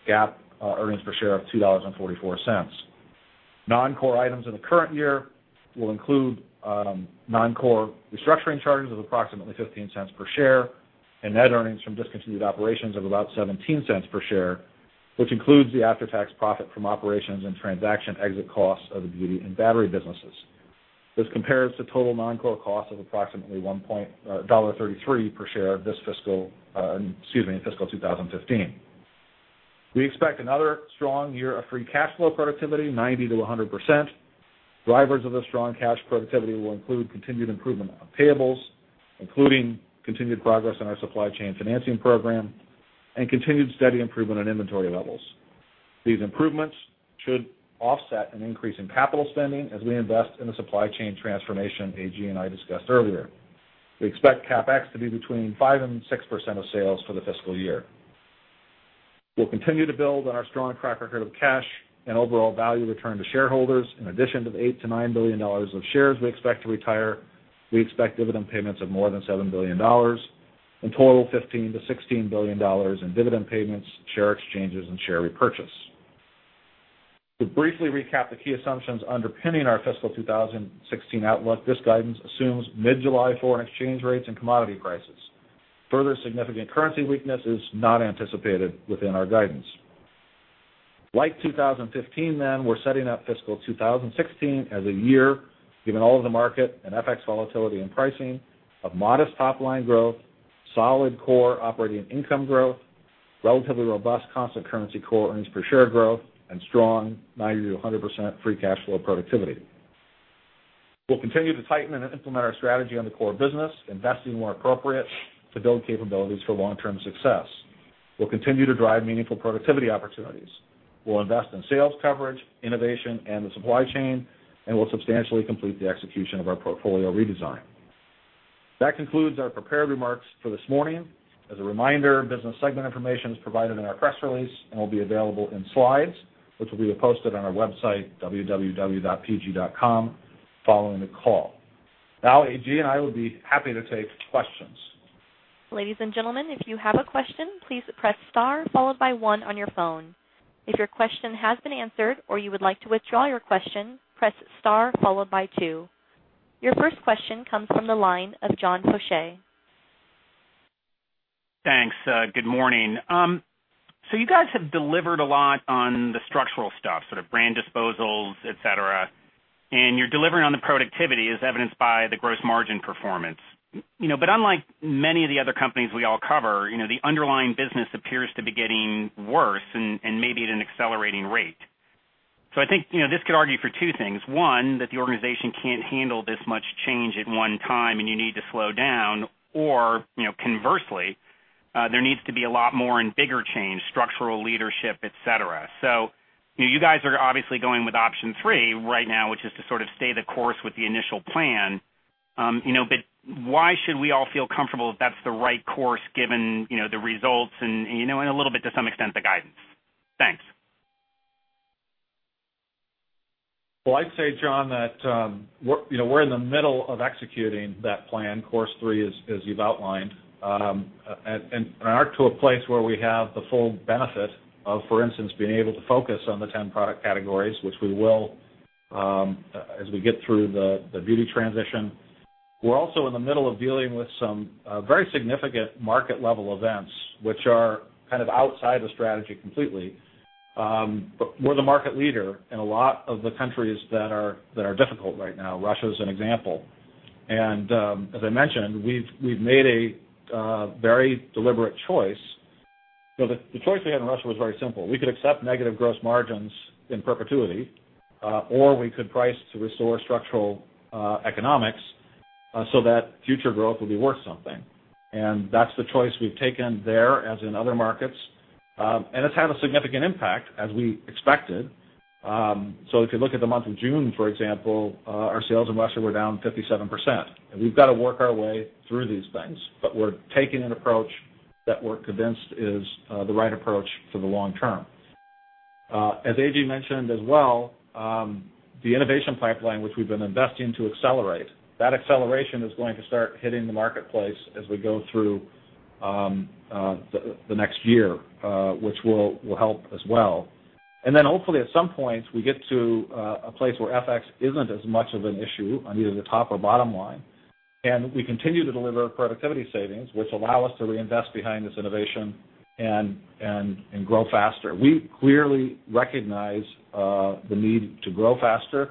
GAAP earnings per share of $2.44. Non-core items in the current year will include non-core restructuring charges of approximately $0.15 per share and net earnings from discontinued operations of about $0.17 per share, which includes the after-tax profit from operations and transaction exit costs of the Beauty and Battery businesses. This compares to total non-core costs of approximately $1.33 per share in fiscal 2015. We expect another strong year of free cash flow productivity, 90%-100%. Drivers of this strong cash productivity will include continued improvement on payables, including continued progress in our supply chain financing program, and continued steady improvement in inventory levels. These improvements should offset an increase in capital spending as we invest in the supply chain transformation A.G. and I discussed earlier. We expect CapEx to be between 5% and 6% of sales for the fiscal year. We'll continue to build on our strong track record of cash and overall value return to shareholders. In addition to the $8 billion-$9 billion of shares we expect to retire, we expect dividend payments of more than $7 billion. In total, $15 billion-$16 billion in dividend payments, share exchanges, and share repurchase. To briefly recap the key assumptions underpinning our fiscal 2016 outlook, this guidance assumes mid-July foreign exchange rates and commodity prices. Further significant currency weakness is not anticipated within our guidance. 2015, we're setting up fiscal 2016 as a year, given all of the market and FX volatility in pricing, of modest top-line growth, solid core operating income growth, relatively robust constant currency core earnings per share growth, and strong 90%-100% free cash flow productivity. We'll continue to tighten and implement our strategy on the core business, investing where appropriate to build capabilities for long-term success. We'll continue to drive meaningful productivity opportunities. We'll invest in sales coverage, innovation, and the supply chain, and we'll substantially complete the execution of our portfolio redesign. That concludes our prepared remarks for this morning. As a reminder, business segment information is provided in our press release and will be available in slides, which will be posted on our website, www.pg.com, following the call. Now, A.G. and I will be happy to take questions. Ladies and gentlemen, if you have a question, please press star followed by one on your phone. If your question has been answered or you would like to withdraw your question, press star followed by two. Your first question comes from the line of John Faucher. Thanks. Good morning. You guys have delivered a lot on the structural stuff, sort of brand disposals, et cetera, and you're delivering on the productivity as evidenced by the gross margin performance. Unlike many of the other companies we all cover, the underlying business appears to be getting worse and maybe at an accelerating rate. I think this could argue for two things. One, that the organization can't handle this much change at one time and you need to slow down, or conversely, there needs to be a lot more and bigger change, structural leadership, et cetera. You guys are obviously going with option three right now, which is to sort of stay the course with the initial plan. Why should we all feel comfortable that that's the right course given the results and a little bit, to some extent, the guidance? Thanks. Well, I'd say, John, that we're in the middle of executing that plan, course three, as you've outlined, and aren't to a place where we have the full benefit of, for instance, being able to focus on the 10 product categories, which we will as we get through the beauty transition. We're also in the middle of dealing with some very significant market-level events, which are kind of outside the strategy completely. We're the market leader in a lot of the countries that are difficult right now. Russia is an example. As I mentioned, we've made a very deliberate choice. The choice we had in Russia was very simple. We could accept negative gross margins in perpetuity, or we could price to restore structural economics so that future growth will be worth something. That's the choice we've taken there, as in other markets. It's had a significant impact, as we expected. If you look at the month of June, for example, our sales in Russia were down 57%. We've got to work our way through these things. We're taking an approach that we're convinced is the right approach for the long term. As A.G. mentioned as well, the innovation pipeline, which we've been investing to accelerate, that acceleration is going to start hitting the marketplace as we go through the next year, which will help as well. Then hopefully at some point, we get to a place where FX isn't as much of an issue on either the top or bottom line. We continue to deliver productivity savings, which allow us to reinvest behind this innovation and grow faster. We clearly recognize the need to grow faster.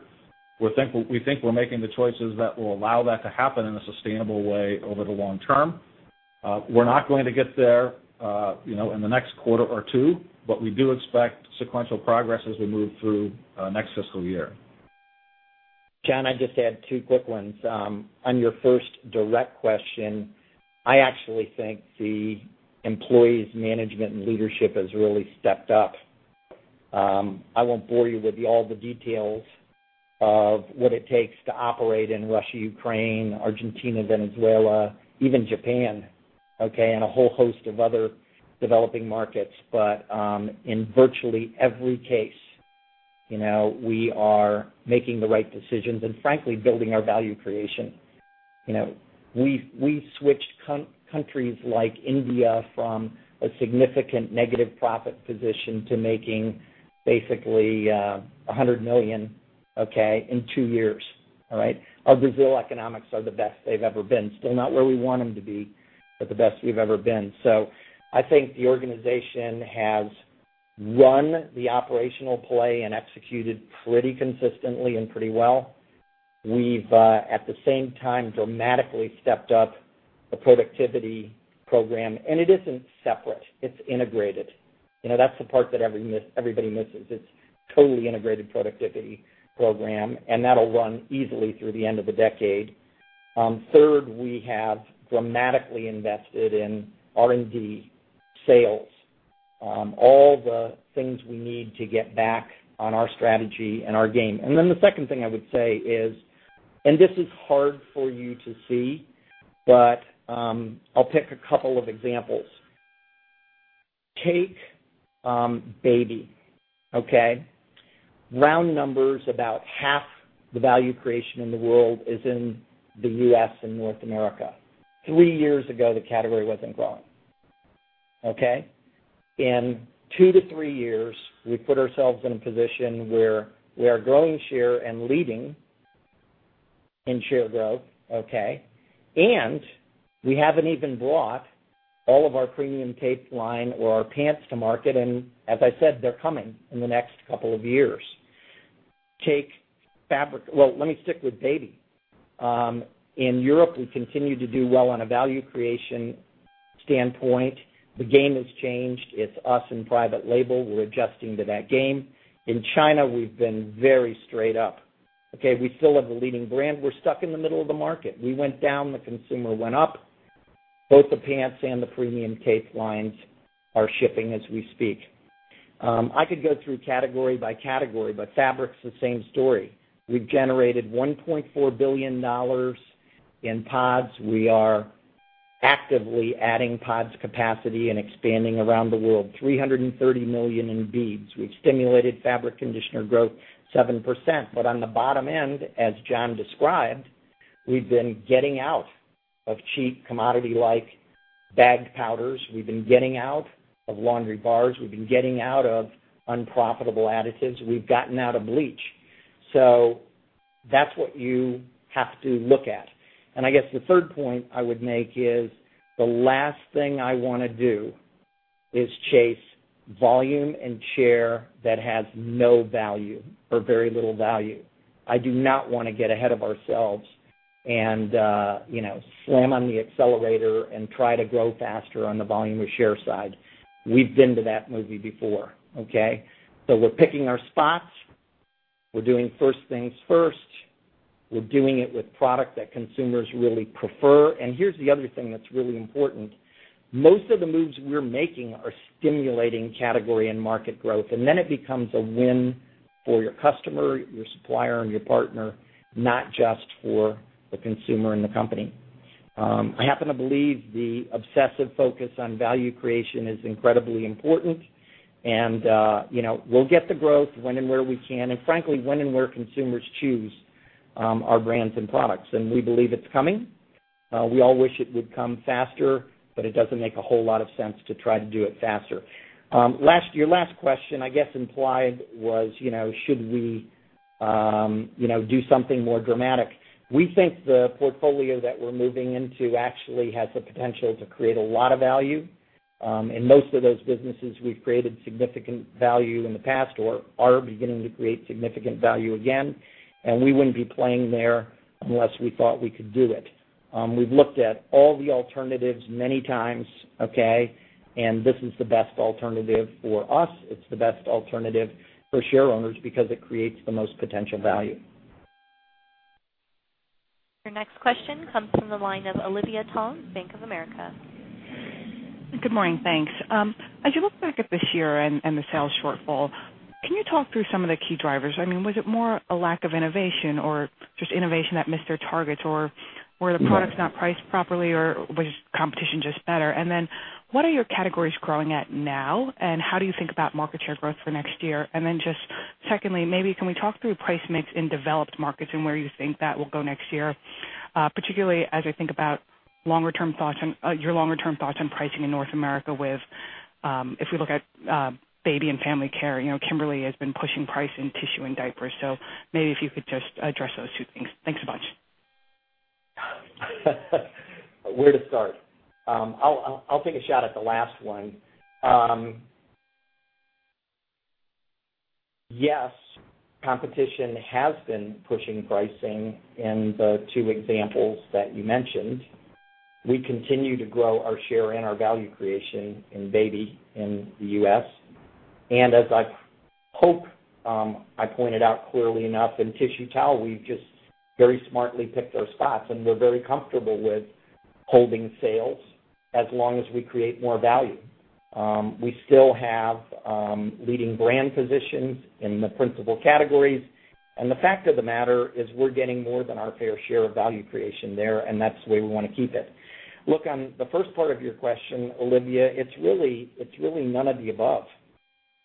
We think we're making the choices that will allow that to happen in a sustainable way over the long term. We're not going to get there in the next quarter or two, but we do expect sequential progress as we move through next fiscal year. John, I'd just add two quick ones. On your first direct question, I actually think the employees, management, and leadership has really stepped up. I won't bore you with all the details of what it takes to operate in Russia, Ukraine, Argentina, Venezuela, even Japan, okay, and a whole host of other developing markets. In virtually every case, we are making the right decisions and frankly, building our value creation. We switched countries like India from a significant negative profit position to making basically $100 million, okay, in two years. All right? Our Brazil economics are the best they've ever been. Still not where we want them to be, but the best we've ever been. I think the organization has run the operational play and executed pretty consistently and pretty well. We've, at the same time, dramatically stepped up the productivity program, it isn't separate, it's integrated. That's the part that everybody misses. It's a totally integrated productivity program that'll run easily through the end of the decade. Third, we have dramatically invested in R&D sales, all the things we need to get back on our strategy and our game. The second thing I would say is, this is hard for you to see, but I'll pick a couple of examples. Take baby, okay? Round numbers, about half the value creation in the U.S. and North America. Three years ago, the category wasn't growing, okay? In two to three years, we put ourselves in a position where we are growing share and leading in share growth, okay? We haven't even brought all of our premium tape line or our pants to market, as I said, they're coming in the next couple of years. Let me stick with baby. In Europe, we continue to do well on a value creation standpoint. The game has changed. It's us and private label. We're adjusting to that game. In China, we've been very straight up, okay? We still have the leading brand. We're stuck in the middle of the market. We went down, the consumer went up. Both the pants and the premium tape lines are shipping as we speak. I could go through category by category, fabric's the same story. We've generated $1.4 billion in pods. We are actively adding pods capacity and expanding around the world, $330 million in beads. We've stimulated fabric conditioner growth 7%. On the bottom end, as Jon Moeller described, we've been getting out of cheap commodity-like bag powders. We've been getting out of laundry bars. We've been getting out of unprofitable additives. We've gotten out of bleach. That's what you have to look at. I guess the third point I would make is the last thing I want to do is chase volume and share that has no value or very little value. I do not want to get ahead of ourselves and slam on the accelerator and try to grow faster on the volume or share side. We've been to that movie before, okay? We're picking our spots. We're doing first things first. We're doing it with product that consumers really prefer. Here's the other thing that's really important. Most of the moves we're making are stimulating category and market growth, it becomes a win for your customer, your supplier, and your partner, not just for the consumer and the company. I happen to believe the obsessive focus on value creation is incredibly important. We'll get the growth when and where we can, frankly, when and where consumers choose our brands and products, we believe it's coming. We all wish it would come faster, it doesn't make a whole lot of sense to try to do it faster. Your last question, I guess implied was, should we do something more dramatic? We think the portfolio that we're moving into actually has the potential to create a lot of value. In most of those businesses, we've created significant value in the past or are beginning to create significant value again, we wouldn't be playing there unless we thought we could do it. We've looked at all the alternatives many times, okay? This is the best alternative for us. It's the best alternative for share owners because it creates the most potential value. Your next question comes from the line of Olivia Tong, Bank of America. Good morning. Thanks. As you look back at this year and the sales shortfall, can you talk through some of the key drivers? Was it more a lack of innovation or just innovation that missed their targets, or were the products- Yeah not priced properly, or was competition just better? What are your categories growing at now, and how do you think about market share growth for next year? Just secondly, maybe can we talk through price mix in developed markets and where you think that will go next year, particularly as I think about your longer-term thoughts on pricing in North America with, if we look at baby and family care. Kimberly-Clark has been pushing price in tissue and diapers, so maybe if you could just address those two things. Thanks a bunch. Where to start? I'll take a shot at the last one. Yes, competition has been pushing pricing in the two examples that you mentioned. We continue to grow our share and our value creation in baby in the U.S. As I hope I pointed out clearly enough in tissue towel, we've just very smartly picked our spots, and we're very comfortable with holding sales as long as we create more value. We still have leading brand positions in the principal categories. The fact of the matter is we're getting more than our fair share of value creation there, and that's the way we want to keep it. Look, on the first part of your question, Olivia, it's really none of the above.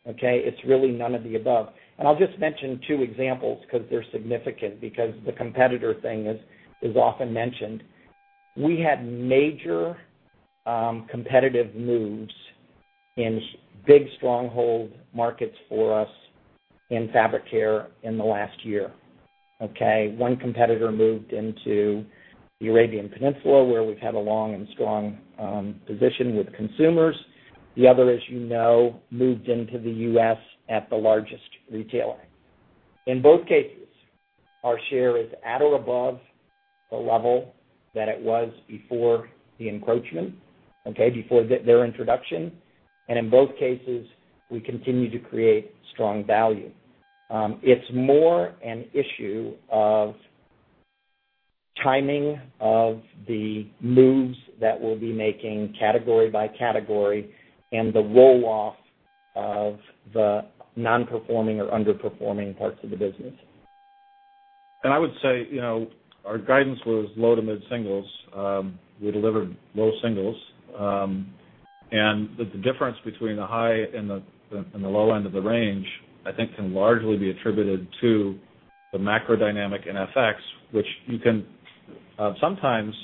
Okay? It's really none of the above. I'll just mention two examples because they're significant, because the competitor thing is often mentioned. We had major competitive moves in big stronghold markets for us in fabric care in the last year. Okay. One competitor moved into the Arabian Peninsula, where we've had a long and strong position with consumers. The other, as you know, moved into the U.S. at the largest retailer. In both cases, our share is at or above the level that it was before the encroachment, okay, before their introduction. In both cases, we continue to create strong value. It's more an issue of timing of the moves that we'll be making category by category and the roll-off of the non-performing or underperforming parts of the business. I would say, our guidance was low to mid-singles. We delivered low singles. The difference between the high and the low end of the range, I think can largely be attributed to the macro dynamic in FX, which you can sometimes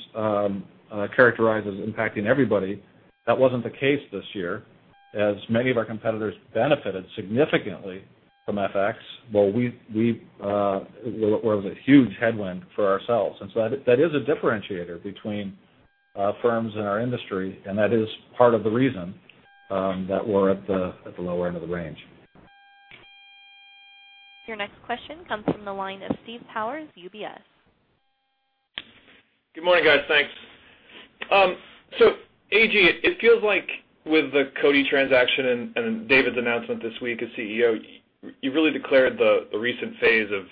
characterize as impacting everybody. That wasn't the case this year, as many of our competitors benefited significantly from FX. It was a huge headwind for ourselves. That is a differentiator between firms in our industry, and that is part of the reason that we're at the low end of the range. Your next question comes from the line of Steve Powers, UBS. Good morning, guys. Thanks. A.G., it feels like with the Coty transaction and David's announcement this week as CEO, you really declared the recent phase of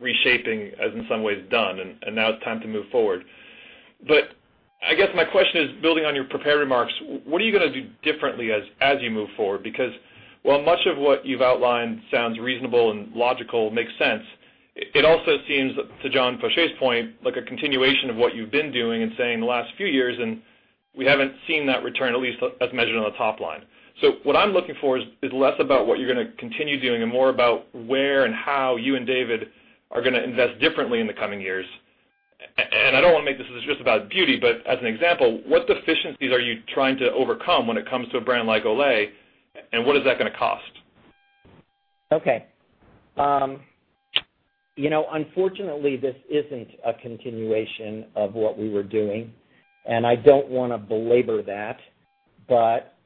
reshaping as in some ways done, now it's time to move forward. I guess my question is building on your prepared remarks, what are you going to do differently as you move forward? Because while much of what you've outlined sounds reasonable and logical, makes sense, it also seems, to Jon Faucher's point, like a continuation of what you've been doing and saying the last few years, we haven't seen that return, at least as measured on the top line. What I'm looking for is less about what you're going to continue doing and more about where and how you and David are going to invest differently in the coming years. I don't want to make this just about beauty, but as an example, what deficiencies are you trying to overcome when it comes to a brand like Olay, and what is that going to cost? Unfortunately, this isn't a continuation of what we were doing, and I don't want to belabor that, but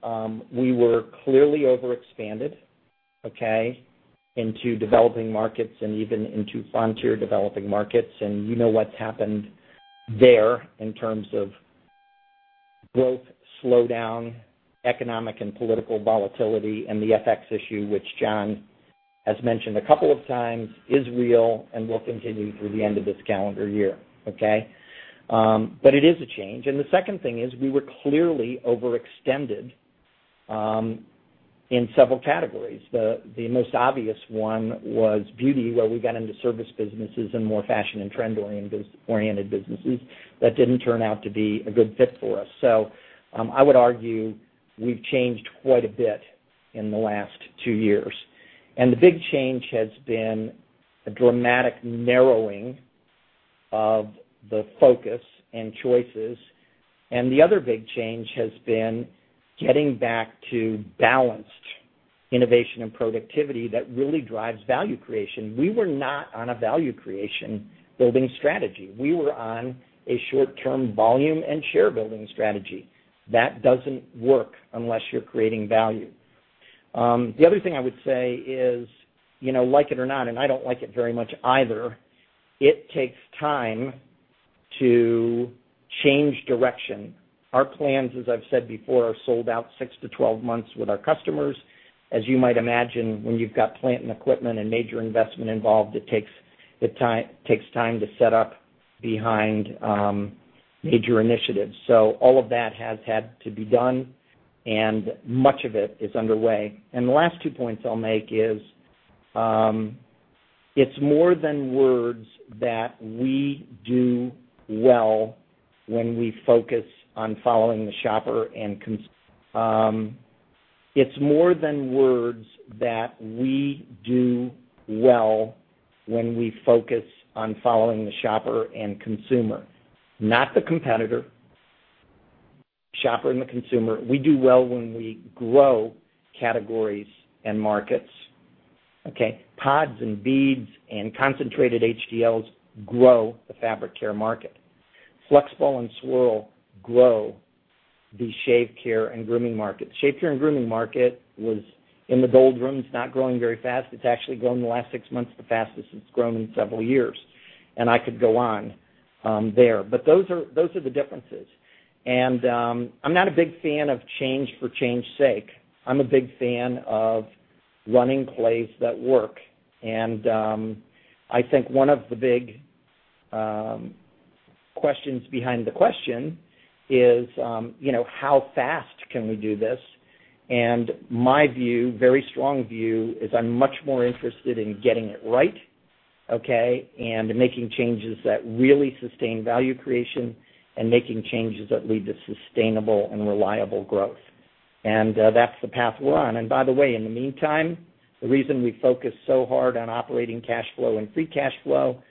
we were clearly over-expanded into developing markets and even into frontier developing markets. You know what's happened there in terms of growth slowdown, economic and political volatility, and the FX issue, which Jon has mentioned a couple of times, is real and will continue through the end of this calendar year. It is a change. The second thing is we were clearly overextended in several categories. The most obvious one was beauty, where we got into service businesses and more fashion and trend-oriented businesses that didn't turn out to be a good fit for us. I would argue we've changed quite a bit in the last two years, and the big change has been a dramatic narrowing of the focus and choices. The other big change has been getting back to balanced innovation and productivity that really drives value creation. We were not on a value creation building strategy. We were on a short-term volume and share building strategy. That doesn't work unless you're creating value. The other thing I would say is, like it or not, and I don't like it very much either, it takes time to change direction. Our plans, as I've said before, are sold out six to 12 months with our customers. As you might imagine, when you've got plant and equipment and major investment involved, it takes time to set up behind major initiatives. All of that has had to be done, and much of it is underway. The last two points I'll make is, it's more than words that we do well when we focus on following the shopper and consumer, not the competitor. The shopper and the consumer. We do well when we grow categories and markets. Pods and beads and concentrated HDLs grow the fabric care market. FlexBall and Swirl grow the shave care and grooming market. The shave care and grooming market was in the doldrums, not growing very fast. It's actually grown in the last six months, the fastest it's grown in several years. I could go on there. Those are the differences. I'm not a big fan of change for change sake. I'm a big fan of running plays that work. I think one of the big questions behind the question is, how fast can we do this? My very strong view is I'm much more interested in getting it right, okay, and making changes that really sustain value creation and making changes that lead to sustainable and reliable growth. That's the path we're on. By the way, in the meantime, the reason we focus so hard on operating cash flow and free cash flow,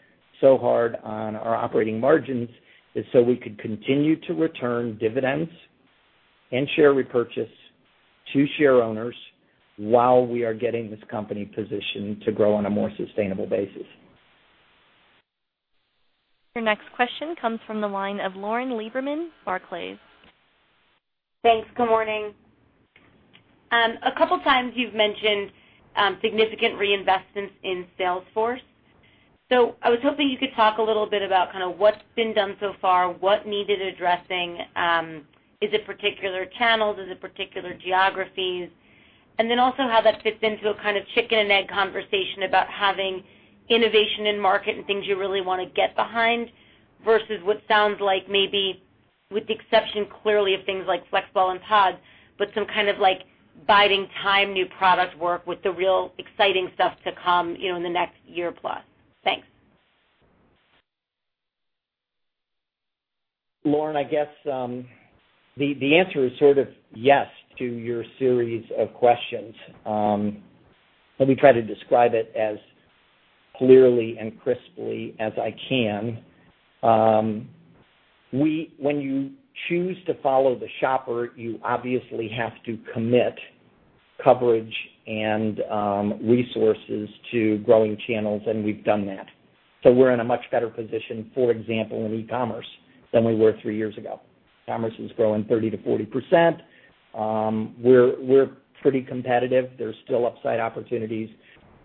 so hard on our operating margins is so we could continue to return dividends and share repurchase to shareowners while we are getting this company positioned to grow on a more sustainable basis. Your next question comes from the line of Lauren Lieberman, Barclays. Thanks. Good morning. A couple times you've mentioned significant reinvestments in sales force. I was hoping you could talk a little bit about kind of what's been done so far, what needed addressing, is it particular channels, is it particular geographies, and then also how that fits into a kind of chicken and egg conversation about having innovation in market and things you really want to get behind versus what sounds like maybe, with the exception clearly of things like FlexBall and Pods, but some kind of like biding time, new product work with the real exciting stuff to come in the next year plus. Thanks. Lauren, I guess the answer is sort of yes to your series of questions. Let me try to describe it as clearly and crisply as I can. When you choose to follow the shopper, you obviously have to commit coverage and resources to growing channels, we've done that. We're in a much better position, for example, in e-commerce than we were three years ago. E-commerce is growing 30%-40%. We're pretty competitive. There's still upside opportunities,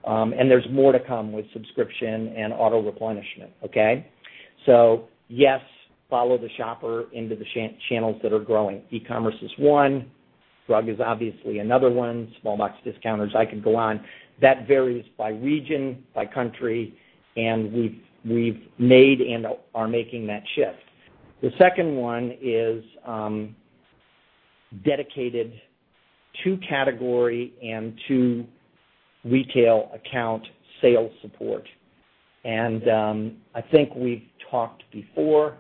and there's more to come with subscription and auto replenishment. Okay? Yes, follow the shopper into the channels that are growing. E-commerce is one. Drug is obviously another one. Small box discounters, I could go on. That varies by region, by country, and we've made and are making that shift. The second one is dedicated to category and to retail account sales support. I think we've talked before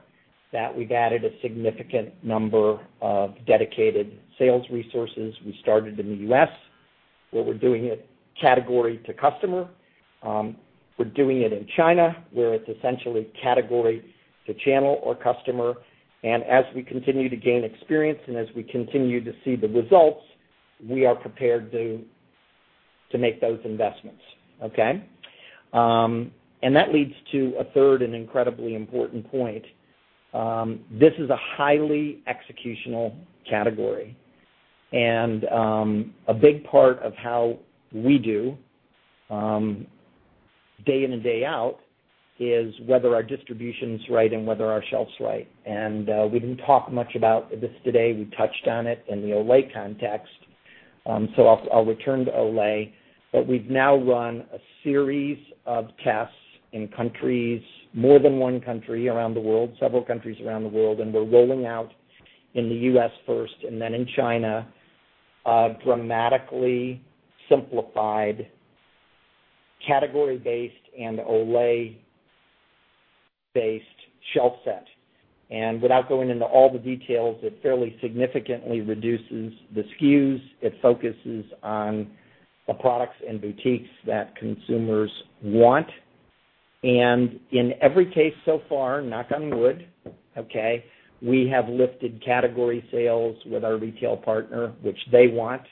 that we've added a significant number of dedicated sales resources. We started in the U.S., where we're doing it category to customer. We're doing it in China, where it's essentially category to channel or customer. As we continue to gain experience and as we continue to see the results, we are prepared to make those investments. Okay? That leads to a third and incredibly important point. This is a highly executional category, and a big part of how we do day in and day out is whether our distribution's right and whether our shelf's right. We didn't talk much about this today. We touched on it in the Olay context. I'll return to Olay, but we've now run a series of tests in more than one country around the world, several countries around the world, and we're rolling out in the U.S. first and then in China, dramatically simplified category-based and Olay-based shelf set. Without going into all the details, it fairly significantly reduces the SKUs. It focuses on the products and boutiques that consumers want. In every case so far, knock on wood, okay, we have lifted category sales with our retail partner, which they want,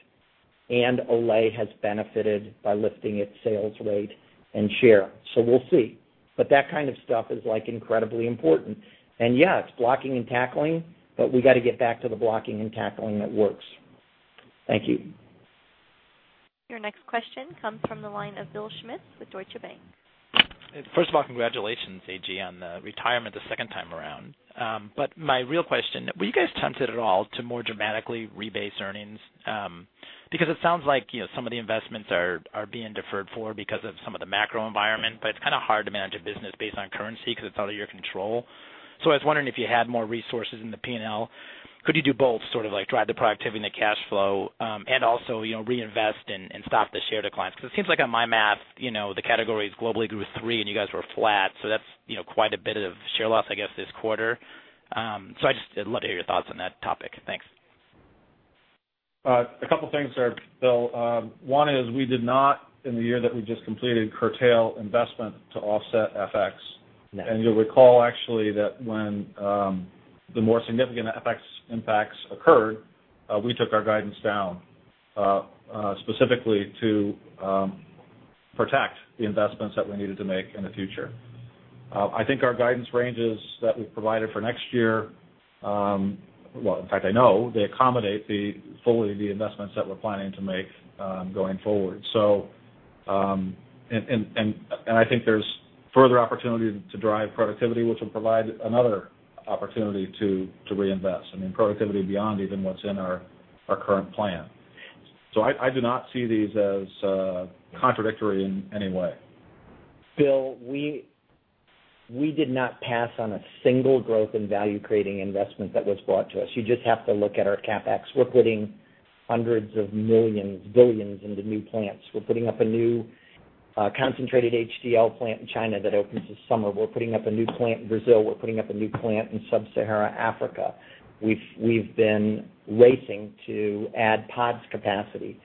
and Olay has benefited by lifting its sales rate and share. We'll see. That kind of stuff is incredibly important. Yeah, it's blocking and tackling, but we got to get back to the blocking and tackling that works. Thank you. Your next question comes from the line of Bill Schmitz with Deutsche Bank. First of all, congratulations, A.G., on the retirement the second time around. My real question, were you guys tempted at all to more dramatically rebase earnings? It sounds like some of the investments are being deferred for because of some of the macro environment, but it's kind of hard to manage a business based on currency because it's out of your control. I was wondering if you had more resources in the P&L, could you do both, sort of like drive the productivity and the cash flow, and also reinvest and stop the share declines? It seems like on my math, the categories globally grew three and you guys were flat. That's quite a bit of share loss, I guess, this quarter. I'd just love to hear your thoughts on that topic. Thanks. A couple of things there, Bill. One is we did not, in the year that we just completed, curtail investment to offset FX. Yeah. You'll recall actually that when the more significant FX impacts occurred, we took our guidance down, specifically to protect the investments that we needed to make in the future. I think our guidance ranges that we've provided for next year, well, in fact, I know they accommodate fully the investments that we're planning to make going forward. I think there's further opportunity to drive productivity, which will provide another opportunity to reinvest. I mean, productivity beyond even what's in our current plan. I do not see these as contradictory in any way. Bill, we did not pass on a single growth and value-creating investment that was brought to us. You just have to look at our CapEx. We're putting $hundreds of millions, $billions into new plants. We're putting up a new concentrated HDL plant in China that opens this summer. We're putting up a new plant in Brazil. We're putting up a new plant in sub-Saharan Africa. We've been racing to add pods capacity.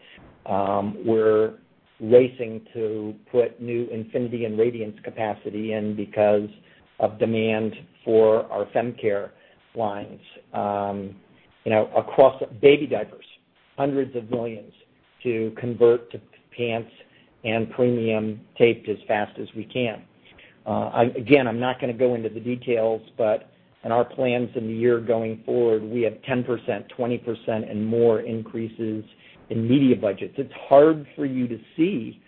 We're racing to put new Infinity and Radiant capacity in because of demand for our fem care lines. Baby diapers, $hundreds of millions to convert to pants and premium taped as fast as we can. Again, I'm not going to go into the details, but in our plans in the year going forward, we have 10%, 20%, and more increases in media budgets. It's hard for you to see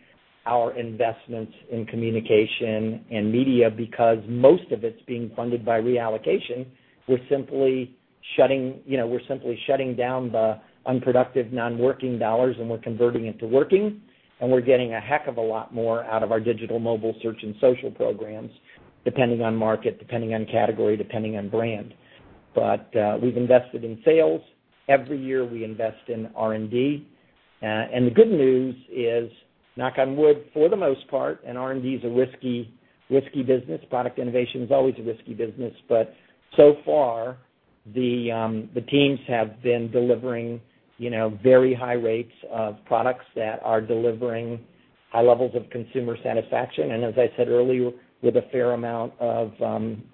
our investments in communication and media because most of it's being funded by reallocation. We're simply shutting down the unproductive non-working dollars and we're converting it to working, and we're getting a heck of a lot more out of our digital mobile search and social programs, depending on market, depending on category, depending on brand. We've invested in sales. Every year we invest in R&D. The good news is, knock on wood, for the most part, and R&D is a risky business. Product innovation is always a risky business, but so far the teams have been delivering very high rates of products that are delivering high levels of consumer satisfaction, and as I said earlier, with a fair amount of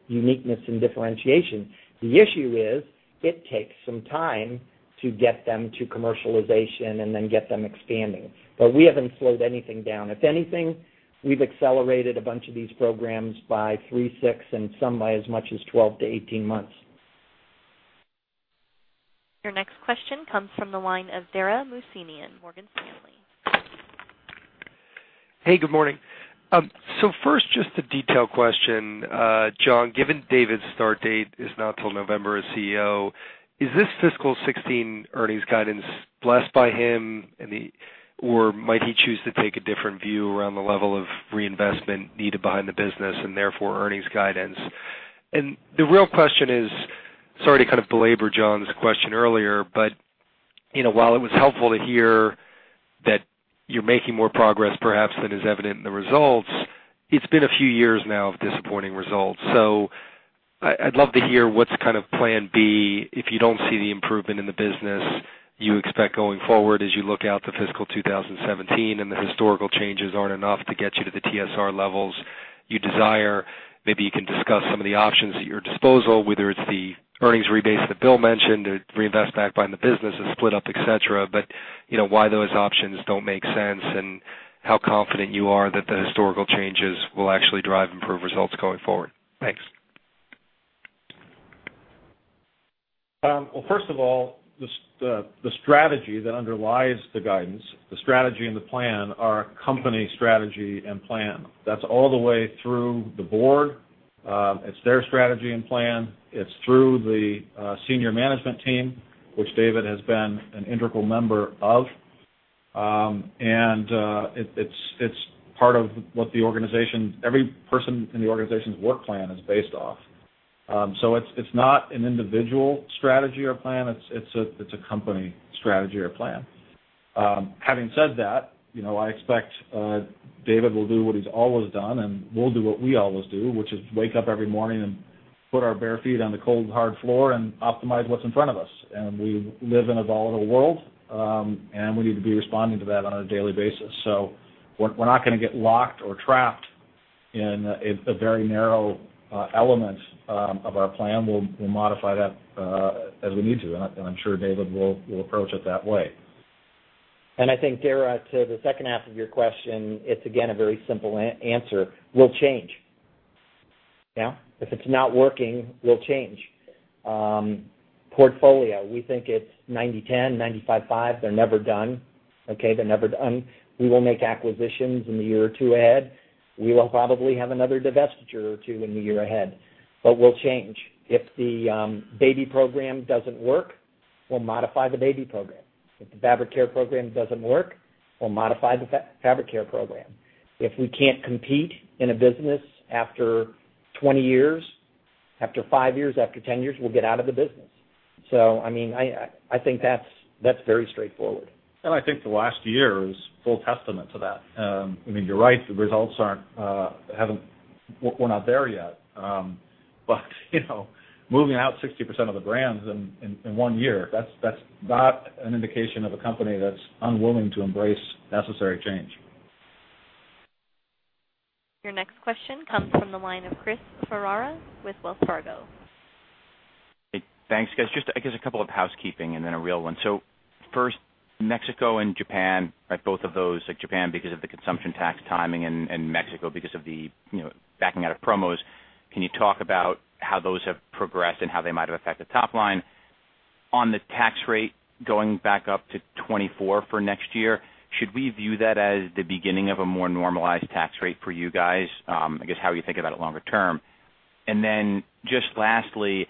uniqueness and differentiation. The issue is it takes some time to get them to commercialization and then get them expanding. We haven't slowed anything down. If anything, we've accelerated a bunch of these programs by three, six, and some by as much as 12 to 18 months. Your next question comes from the line of Dara Mohsenian, Morgan Stanley. Hey, good morning. First, just a detail question. Jon, given David's start date is not till November as CEO, is this fiscal 2016 earnings guidance blessed by him, or might he choose to take a different view around the level of reinvestment needed behind the business and therefore earnings guidance? The real question is, sorry to kind of belabor Jon's question earlier, while it was helpful to hear that you're making more progress perhaps than is evident in the results, it's been a few years now of disappointing results. I'd love to hear what's kind of plan B if you don't see the improvement in the business you expect going forward as you look out to fiscal 2017 and the historical changes aren't enough to get you to the TSR levels you desire. Maybe you can discuss some of the options at your disposal, whether it's the earnings rebase that Bill mentioned to reinvest back behind the business, a split up, et cetera, why those options don't make sense and how confident you are that the historical changes will actually drive improved results going forward. Thanks. first of all, the strategy that underlies the guidance, the strategy and the plan are a company strategy and plan. That's all the way through the board. It's their strategy and plan. It's through the senior management team, which David has been an integral member of. It's part of what every person in the organization's work plan is based off. It's not an individual strategy or plan. It's a company strategy or plan. Having said that, I expect David will do what he's always done, and we'll do what we always do, which is wake up every morning and put our bare feet on the cold, hard floor and optimize what's in front of us. We live in a volatile world, and we need to be responding to that on a daily basis. We're not going to get locked or trapped in a very narrow element of our plan. We'll modify that as we need to, and I'm sure David will approach it that way. I think, Dara, to the second half of your question, it's again, a very simple answer. We'll change. If it's not working, we'll change. Portfolio, we think it's 90/10, 95/5, they're never done. Okay? They're never done. We will make acquisitions in the year or two ahead. We will probably have another divestiture or two in the year ahead. We'll change. If the baby program doesn't work, we'll modify the baby program. If the fabric care program doesn't work, we'll modify the fabric care program. If we can't compete in a business after 20 years, after five years, after 10 years, we'll get out of the business. I think that's very straightforward. I think the last year is full testament to that. You're right, the results, we're not there yet. Moving out 60% of the brands in one year, that's not an indication of a company that's unwilling to embrace necessary change. Your next question comes from the line of Chris Ferrara with Wells Fargo. Hey, thanks, guys. Just, I guess a couple of housekeeping and then a real one. First, Mexico and Japan, both of those, Japan because of the consumption tax timing and Mexico because of the backing out of promos. Can you talk about how those have progressed and how they might have affected top line? On the tax rate going back up to 24% for next year, should we view that as the beginning of a more normalized tax rate for you guys? I guess, how you think about it longer term. Lastly,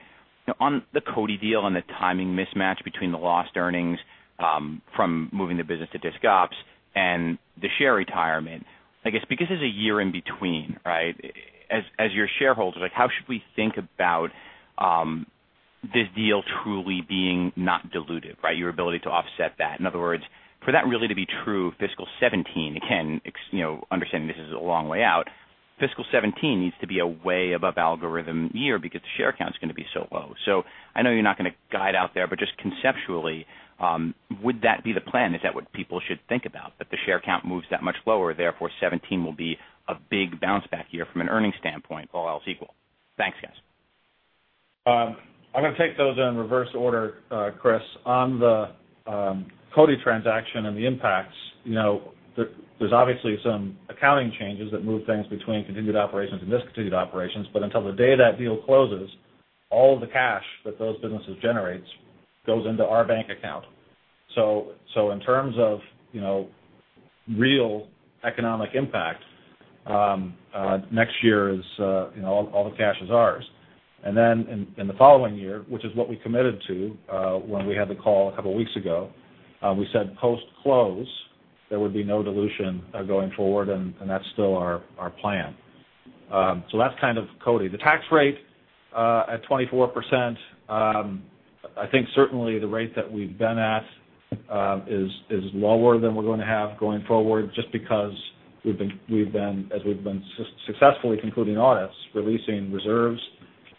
on the Coty deal and the timing mismatch between the lost earnings from moving the business to disc ops and the share retirement. I guess, because there's a year in between, as your shareholders, how should we think about this deal truly being not diluted? Your ability to offset that. In other words, for that really to be true, fiscal 2017, again, understanding this is a long way out, fiscal 2017 needs to be a way above algorithm year because the share count is going to be so low. I know you're not going to guide out there, but just conceptually, would that be the plan? Is that what people should think about? That the share count moves that much lower, therefore 2017 will be a big bounce back year from an earnings standpoint, all else equal. Thanks, guys. I'm going to take those in reverse order, Chris. On the Coty transaction and the impacts, there's obviously some accounting changes that move things between continued operations and discontinued operations. Until the day that deal closes, all the cash that those businesses generate goes into our bank account. In terms of real economic impact, next year, all the cash is ours. In the following year, which is what we committed to when we had the call a couple weeks ago, we said post-close, there would be no dilution going forward, and that's still our plan. That's kind of Coty. The tax rate at 24%, I think certainly the rate that we've been at is lower than we're going to have going forward, just because as we've been successfully concluding audits, releasing reserves,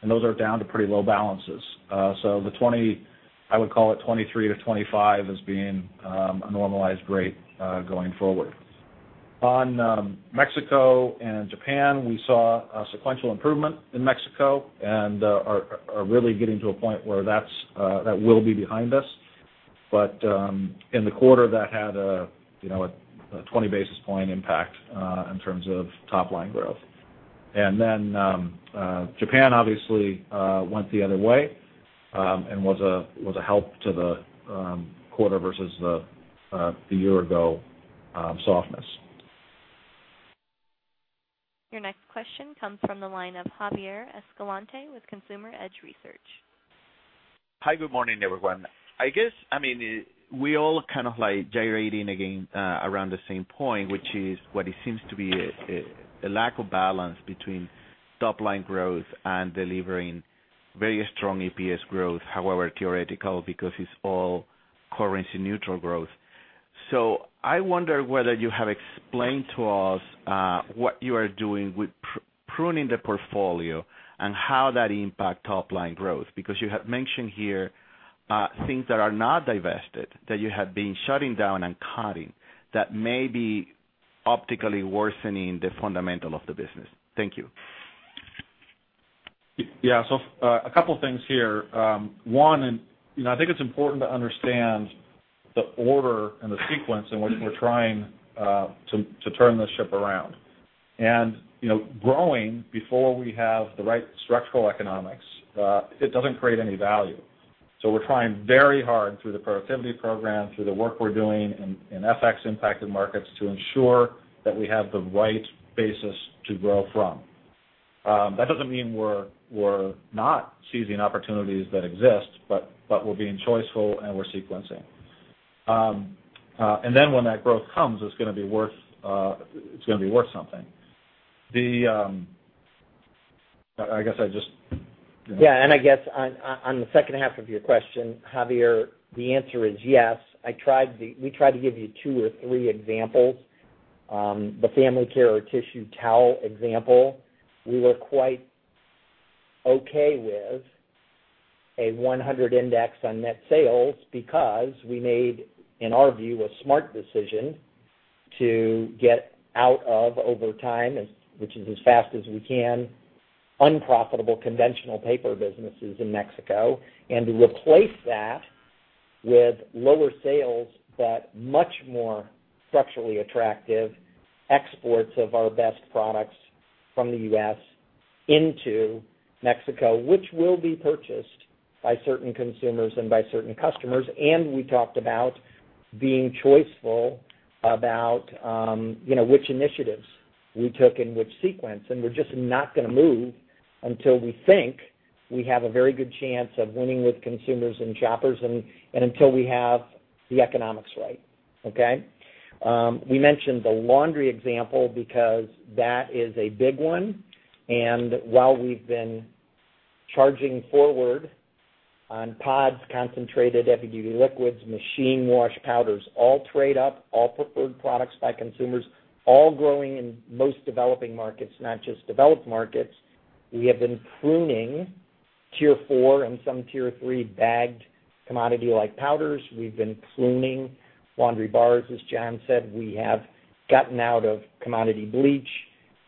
and those are down to pretty low balances. I would call it 23-25 as being a normalized rate going forward. On Mexico and Japan, we saw a sequential improvement in Mexico and are really getting to a point where that will be behind us. In the quarter, that had a 20 basis point impact in terms of top line growth. Japan obviously went the other way and was a help to the quarter versus the year ago softness. Your next question comes from the line of Javier Escalante with Consumer Edge Research. Hi, good morning, everyone. I guess, we all kind of gyrating again around the same point, which is what it seems to be a lack of balance between top line growth and delivering very strong EPS growth, however theoretical, because it's all currency neutral growth. I wonder whether you have explained to us what you are doing with pruning the portfolio and how that impacts top line growth. You have mentioned here things that are not divested, that you have been shutting down and cutting that may be optically worsening the fundamental of the business. Thank you. Yeah. A couple of things here. One, I think it's important to understand the order and the sequence in which we're trying to turn this ship around. Growing before we have the right structural economics, it doesn't create any value. We're trying very hard through the productivity program, through the work we're doing in FX-impacted markets to ensure that we have the right basis to grow from. That doesn't mean we're not seizing opportunities that exist, but we're being choiceful, and we're sequencing. Then when that growth comes, it's going to be worth something. I guess I just- Yeah, I guess on the second half of your question, Javier, the answer is yes. We tried to give you two or three examples. The family care or tissue towel example, we were quite okay with a 100 index on net sales because we made, in our view, a smart decision to get out of, over time, which is as fast as we can, unprofitable conventional paper businesses in Mexico, to replace that with lower sales but much more structurally attractive exports of our best products from the U.S. into Mexico, which will be purchased by certain consumers and by certain customers. We talked about being choiceful about which initiatives we took in which sequence, and we're just not going to move until we think we have a very good chance of winning with consumers and shoppers, and until we have the economics right. Okay? We mentioned the laundry example because that is a big one. While we've been charging forward on pods, concentrated heavy duty liquids, machine wash powders, all trade-up, all preferred products by consumers, all growing in most developing markets, not just developed markets, we have been pruning Tier 4 and some Tier 3 bagged commodity-like powders. We've been pruning laundry bars, as Jon said. We have gotten out of commodity bleach.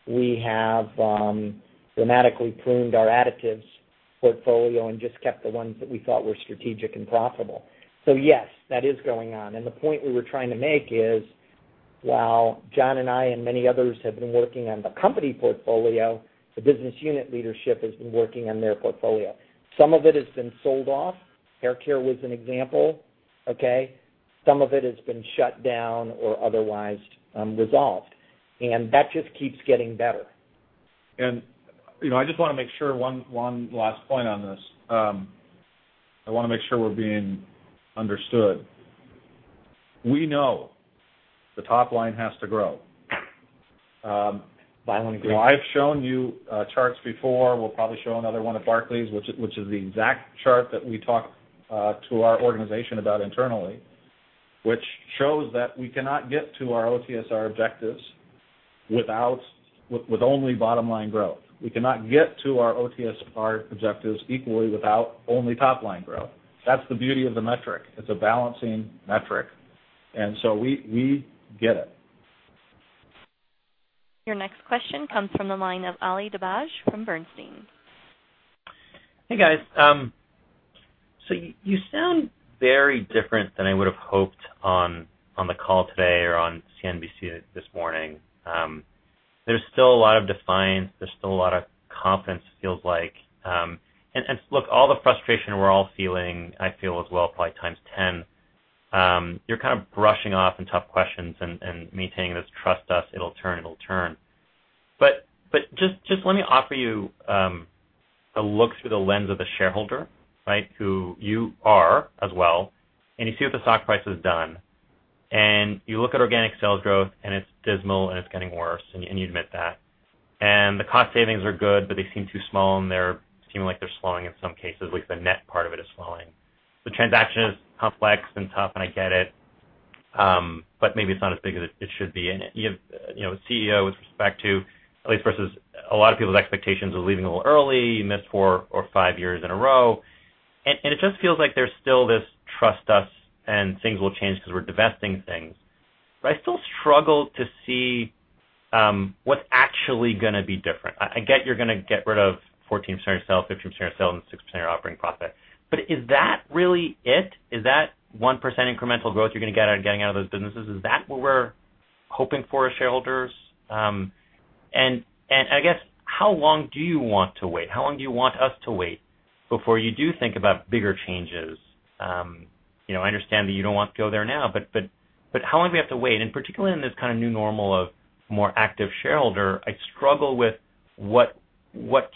We have dramatically pruned our additives portfolio and just kept the ones that we thought were strategic and profitable. Yes, that is going on. The point we were trying to make is, while Jon and I and many others have been working on the company portfolio, the business unit leadership has been working on their portfolio. Some of it has been sold off. Hair care was an example. Okay? Some of it has been shut down or otherwise resolved. That just keeps getting better. I just want to make sure, one last point on this. I want to make sure we're being understood. We know the top line has to grow. Violently agree. I've shown you charts before. We'll probably show another one at Barclays, which is the exact chart that we talked to our organization about internally, which shows that we cannot get to our OTSR objectives with only bottom-line growth. We cannot get to our OTSR objectives equally without only top-line growth. That's the beauty of the metric. It's a balancing metric, and so we get it. Your next question comes from the line of Ali Dibadj from Bernstein. Hey, guys. You sound very different than I would've hoped on the call today or on CNBC this morning. There's still a lot of defiance, there's still a lot of confidence, it feels like. Look, all the frustration we're all feeling, I feel as well, probably times 10. You're kind of brushing off on tough questions and maintaining this, "Trust us, it'll turn." Just let me offer you a look through the lens of a shareholder, who you are as well, and you see what the stock price has done. You look at organic sales growth, and it's dismal, and it's getting worse, and you admit that. The cost savings are good, but they seem too small, and they seem like they're slowing in some cases, at least the net part of it is slowing. The transaction is complex and tough. I get it, maybe it's not as big as it should be. You have a CEO with respect to, at least versus a lot of people's expectations, of leaving a little early, you missed four or five years in a row. It just feels like there's still this, "Trust us, and things will change because we're divesting things." I still struggle to see what's actually gonna be different. I get you're gonna get rid of 14% in sales, 15% in sales, and 6% in your operating profit. Is that really it? Is that 1% incremental growth you're gonna get out of getting out of those businesses? Is that what we're hoping for as shareholders? I guess, how long do you want to wait? How long do you want us to wait before you do think about bigger changes? I understand that you don't want to go there now. How long do we have to wait? Particularly in this kind of new normal of more active shareholder, I struggle with what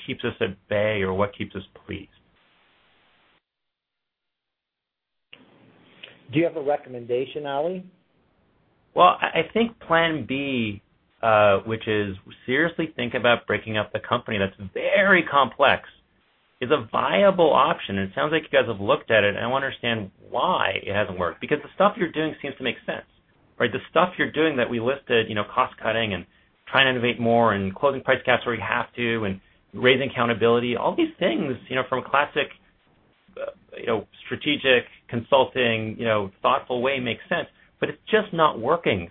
keeps us at bay or what keeps us pleased. Do you have a recommendation, Ali? Well, I think plan B, which is seriously think about breaking up the company that's very complex, is a viable option. It sounds like you guys have looked at it. I want to understand why it hasn't worked. The stuff you're doing seems to make sense, right? The stuff you're doing that we listed, cost cutting and trying to innovate more and closing price gaps where we have to and raising accountability, all these things from a classic strategic consulting, thoughtful way makes sense. It's just not working.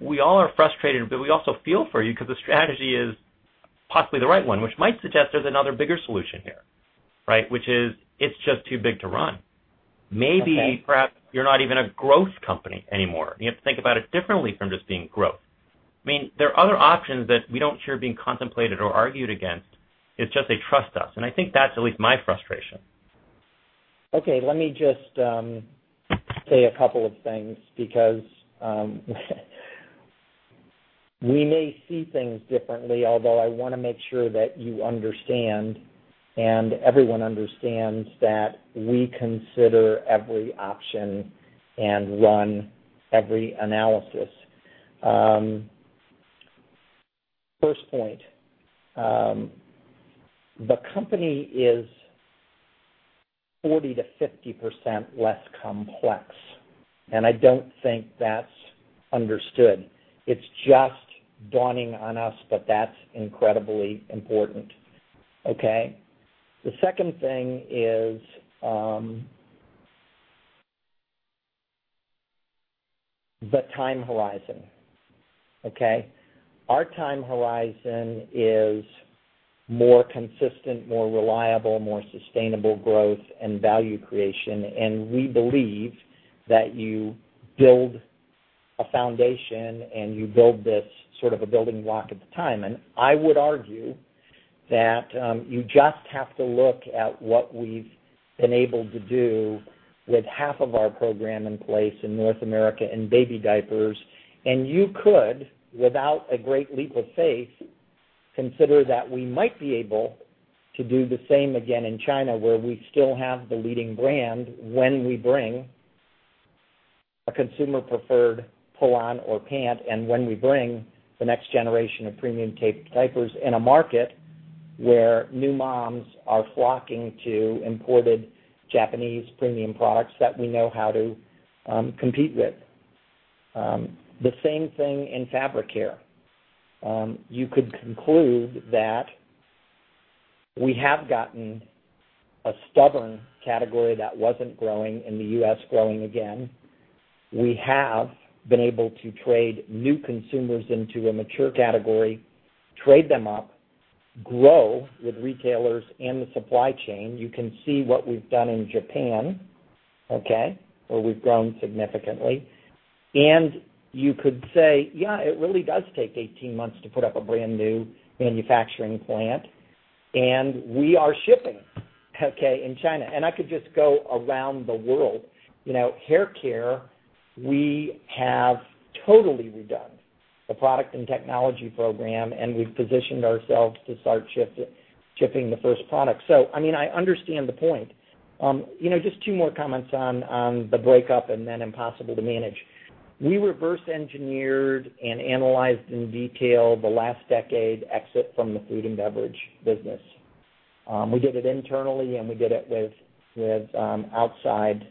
We all are frustrated. We also feel for you because the strategy is possibly the right one, which might suggest there's another bigger solution here. Right? Which is, it's just too big to run. Maybe perhaps you're not even a growth company anymore. You have to think about it differently from just being growth. There are other options that we don't hear being contemplated or argued against. It's just a trust us, and I think that's at least my frustration. Okay, let me just say a couple of things because we may see things differently, although I want to make sure that you understand, and everyone understands that we consider every option and run every analysis. First point, the company is 40%-50% less complex, and I don't think that's understood. It's just dawning on us that that's incredibly important. Okay? The second thing is the time horizon. Okay? Our time horizon is more consistent, more reliable, more sustainable growth and value creation. We believe that you build a foundation, and you build this sort of a building block at the time. I would argue that you just have to look at what we've been able to do with half of our program in place in North America in baby diapers. You could, without a great leap of faith, consider that we might be able to do the same again in China, where we still have the leading brand when we bring a consumer-preferred pull-on or pant, and when we bring the next generation of premium diapers in a market where new moms are flocking to imported Japanese premium products that we know how to compete with. The same thing in fabric care. You could conclude that we have gotten a stubborn category that wasn't growing in the U.S. growing again. We have been able to trade new consumers into a mature category, trade them up, grow with retailers and the supply chain. You can see what we've done in Japan, okay, where we've grown significantly. You could say, "Yeah, it really does take 18 months to put up a brand-new manufacturing plant." We are shipping, okay, in China. I could just go around the world. Hair care, we have totally redone the product and technology program, and we've positioned ourselves to start shipping the first product. I understand the point. Just two more comments on the breakup and then impossible to manage. We reverse engineered and analyzed in detail the last decade exit from the food and beverage business. We did it internally, and we did it with outside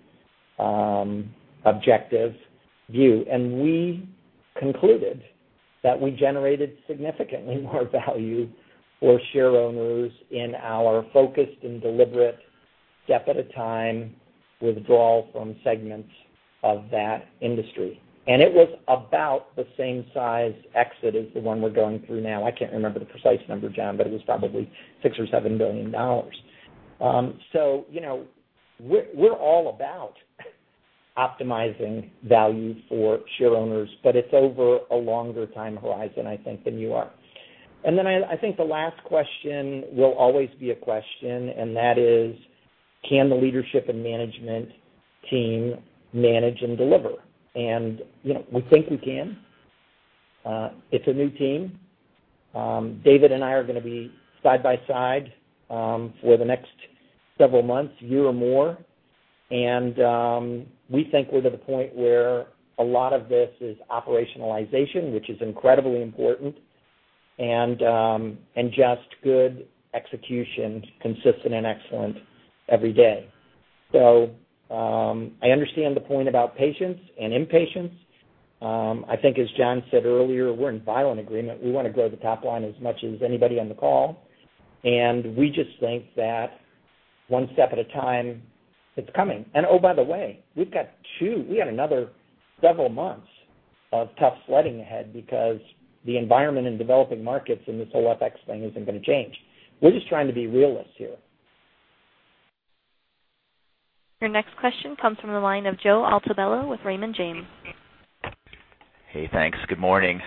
objective view. We concluded that we generated significantly more value for shareowners in our focused and deliberate step-at-a-time withdrawal from segments of that industry. It was about the same size exit as the one we're going through now. I can't remember the precise number, Jon, but it was probably $6 or $7 billion. We're all about optimizing value for shareowners, but it's over a longer time horizon, I think, than you are. I think the last question will always be a question, and that is, can the leadership and management team manage and deliver? We think we can. It's a new team. David and I are going to be side by side for the next several months, a year or more. We think we're to the point where a lot of this is operationalization, which is incredibly important, and just good execution, consistent and excellent every day. I understand the point about patience and impatience. I think as Jon said earlier, we're in violent agreement. We want to grow the top line as much as anybody on the call. We just think that one step at a time, it's coming. Oh, by the way, we've got another several months of tough sledding ahead because the environment in developing markets and this whole FX thing isn't going to change. We're just trying to be realists here. Your next question comes from the line of Joseph Altobello with Raymond James. Hey, thanks. Good morning.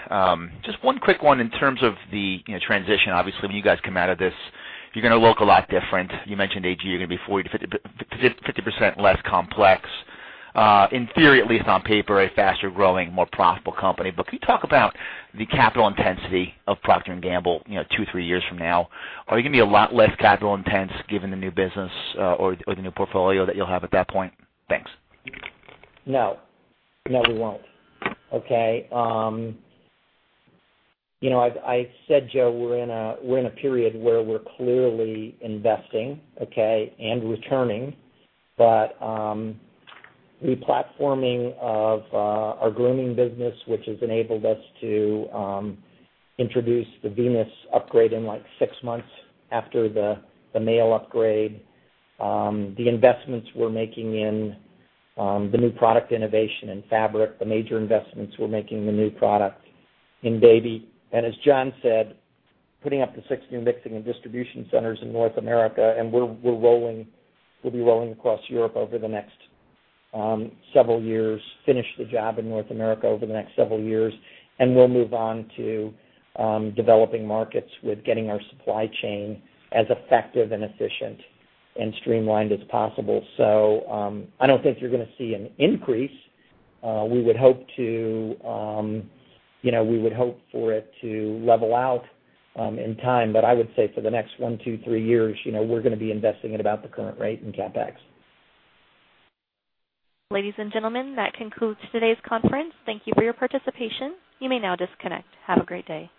Just one quick one in terms of the transition. Obviously, when you guys come out of this, you're going to look a lot different. You mentioned, A.G., you're going to be 50% less complex. In theory, at least on paper, a faster-growing, more profitable company. Can you talk about the capital intensity of Procter & Gamble two, three years from now? Are you going to be a lot less capital intense given the new business or the new portfolio that you'll have at that point? Thanks. No. No, we won't. Okay? I said, Joe, we're in a period where we're clearly investing, okay, and returning. Re-platforming of our grooming business, which has enabled us to introduce the Venus upgrade in six months after the male upgrade, the investments we're making in the new product innovation in fabric, the major investments we're making in the new product in baby. As Jon said, putting up to 16 mixing and distribution centers in North America, we'll be rolling across Europe over the next several years, finish the job in North America over the next several years, we'll move on to developing markets with getting our supply chain as effective and efficient and streamlined as possible. I don't think you're going to see an increase. We would hope for it to level out in time. I would say for the next one, two, three years, we're going to be investing at about the current rate in CapEx. Ladies and gentlemen, that concludes today's conference. Thank you for your participation. You may now disconnect. Have a great day.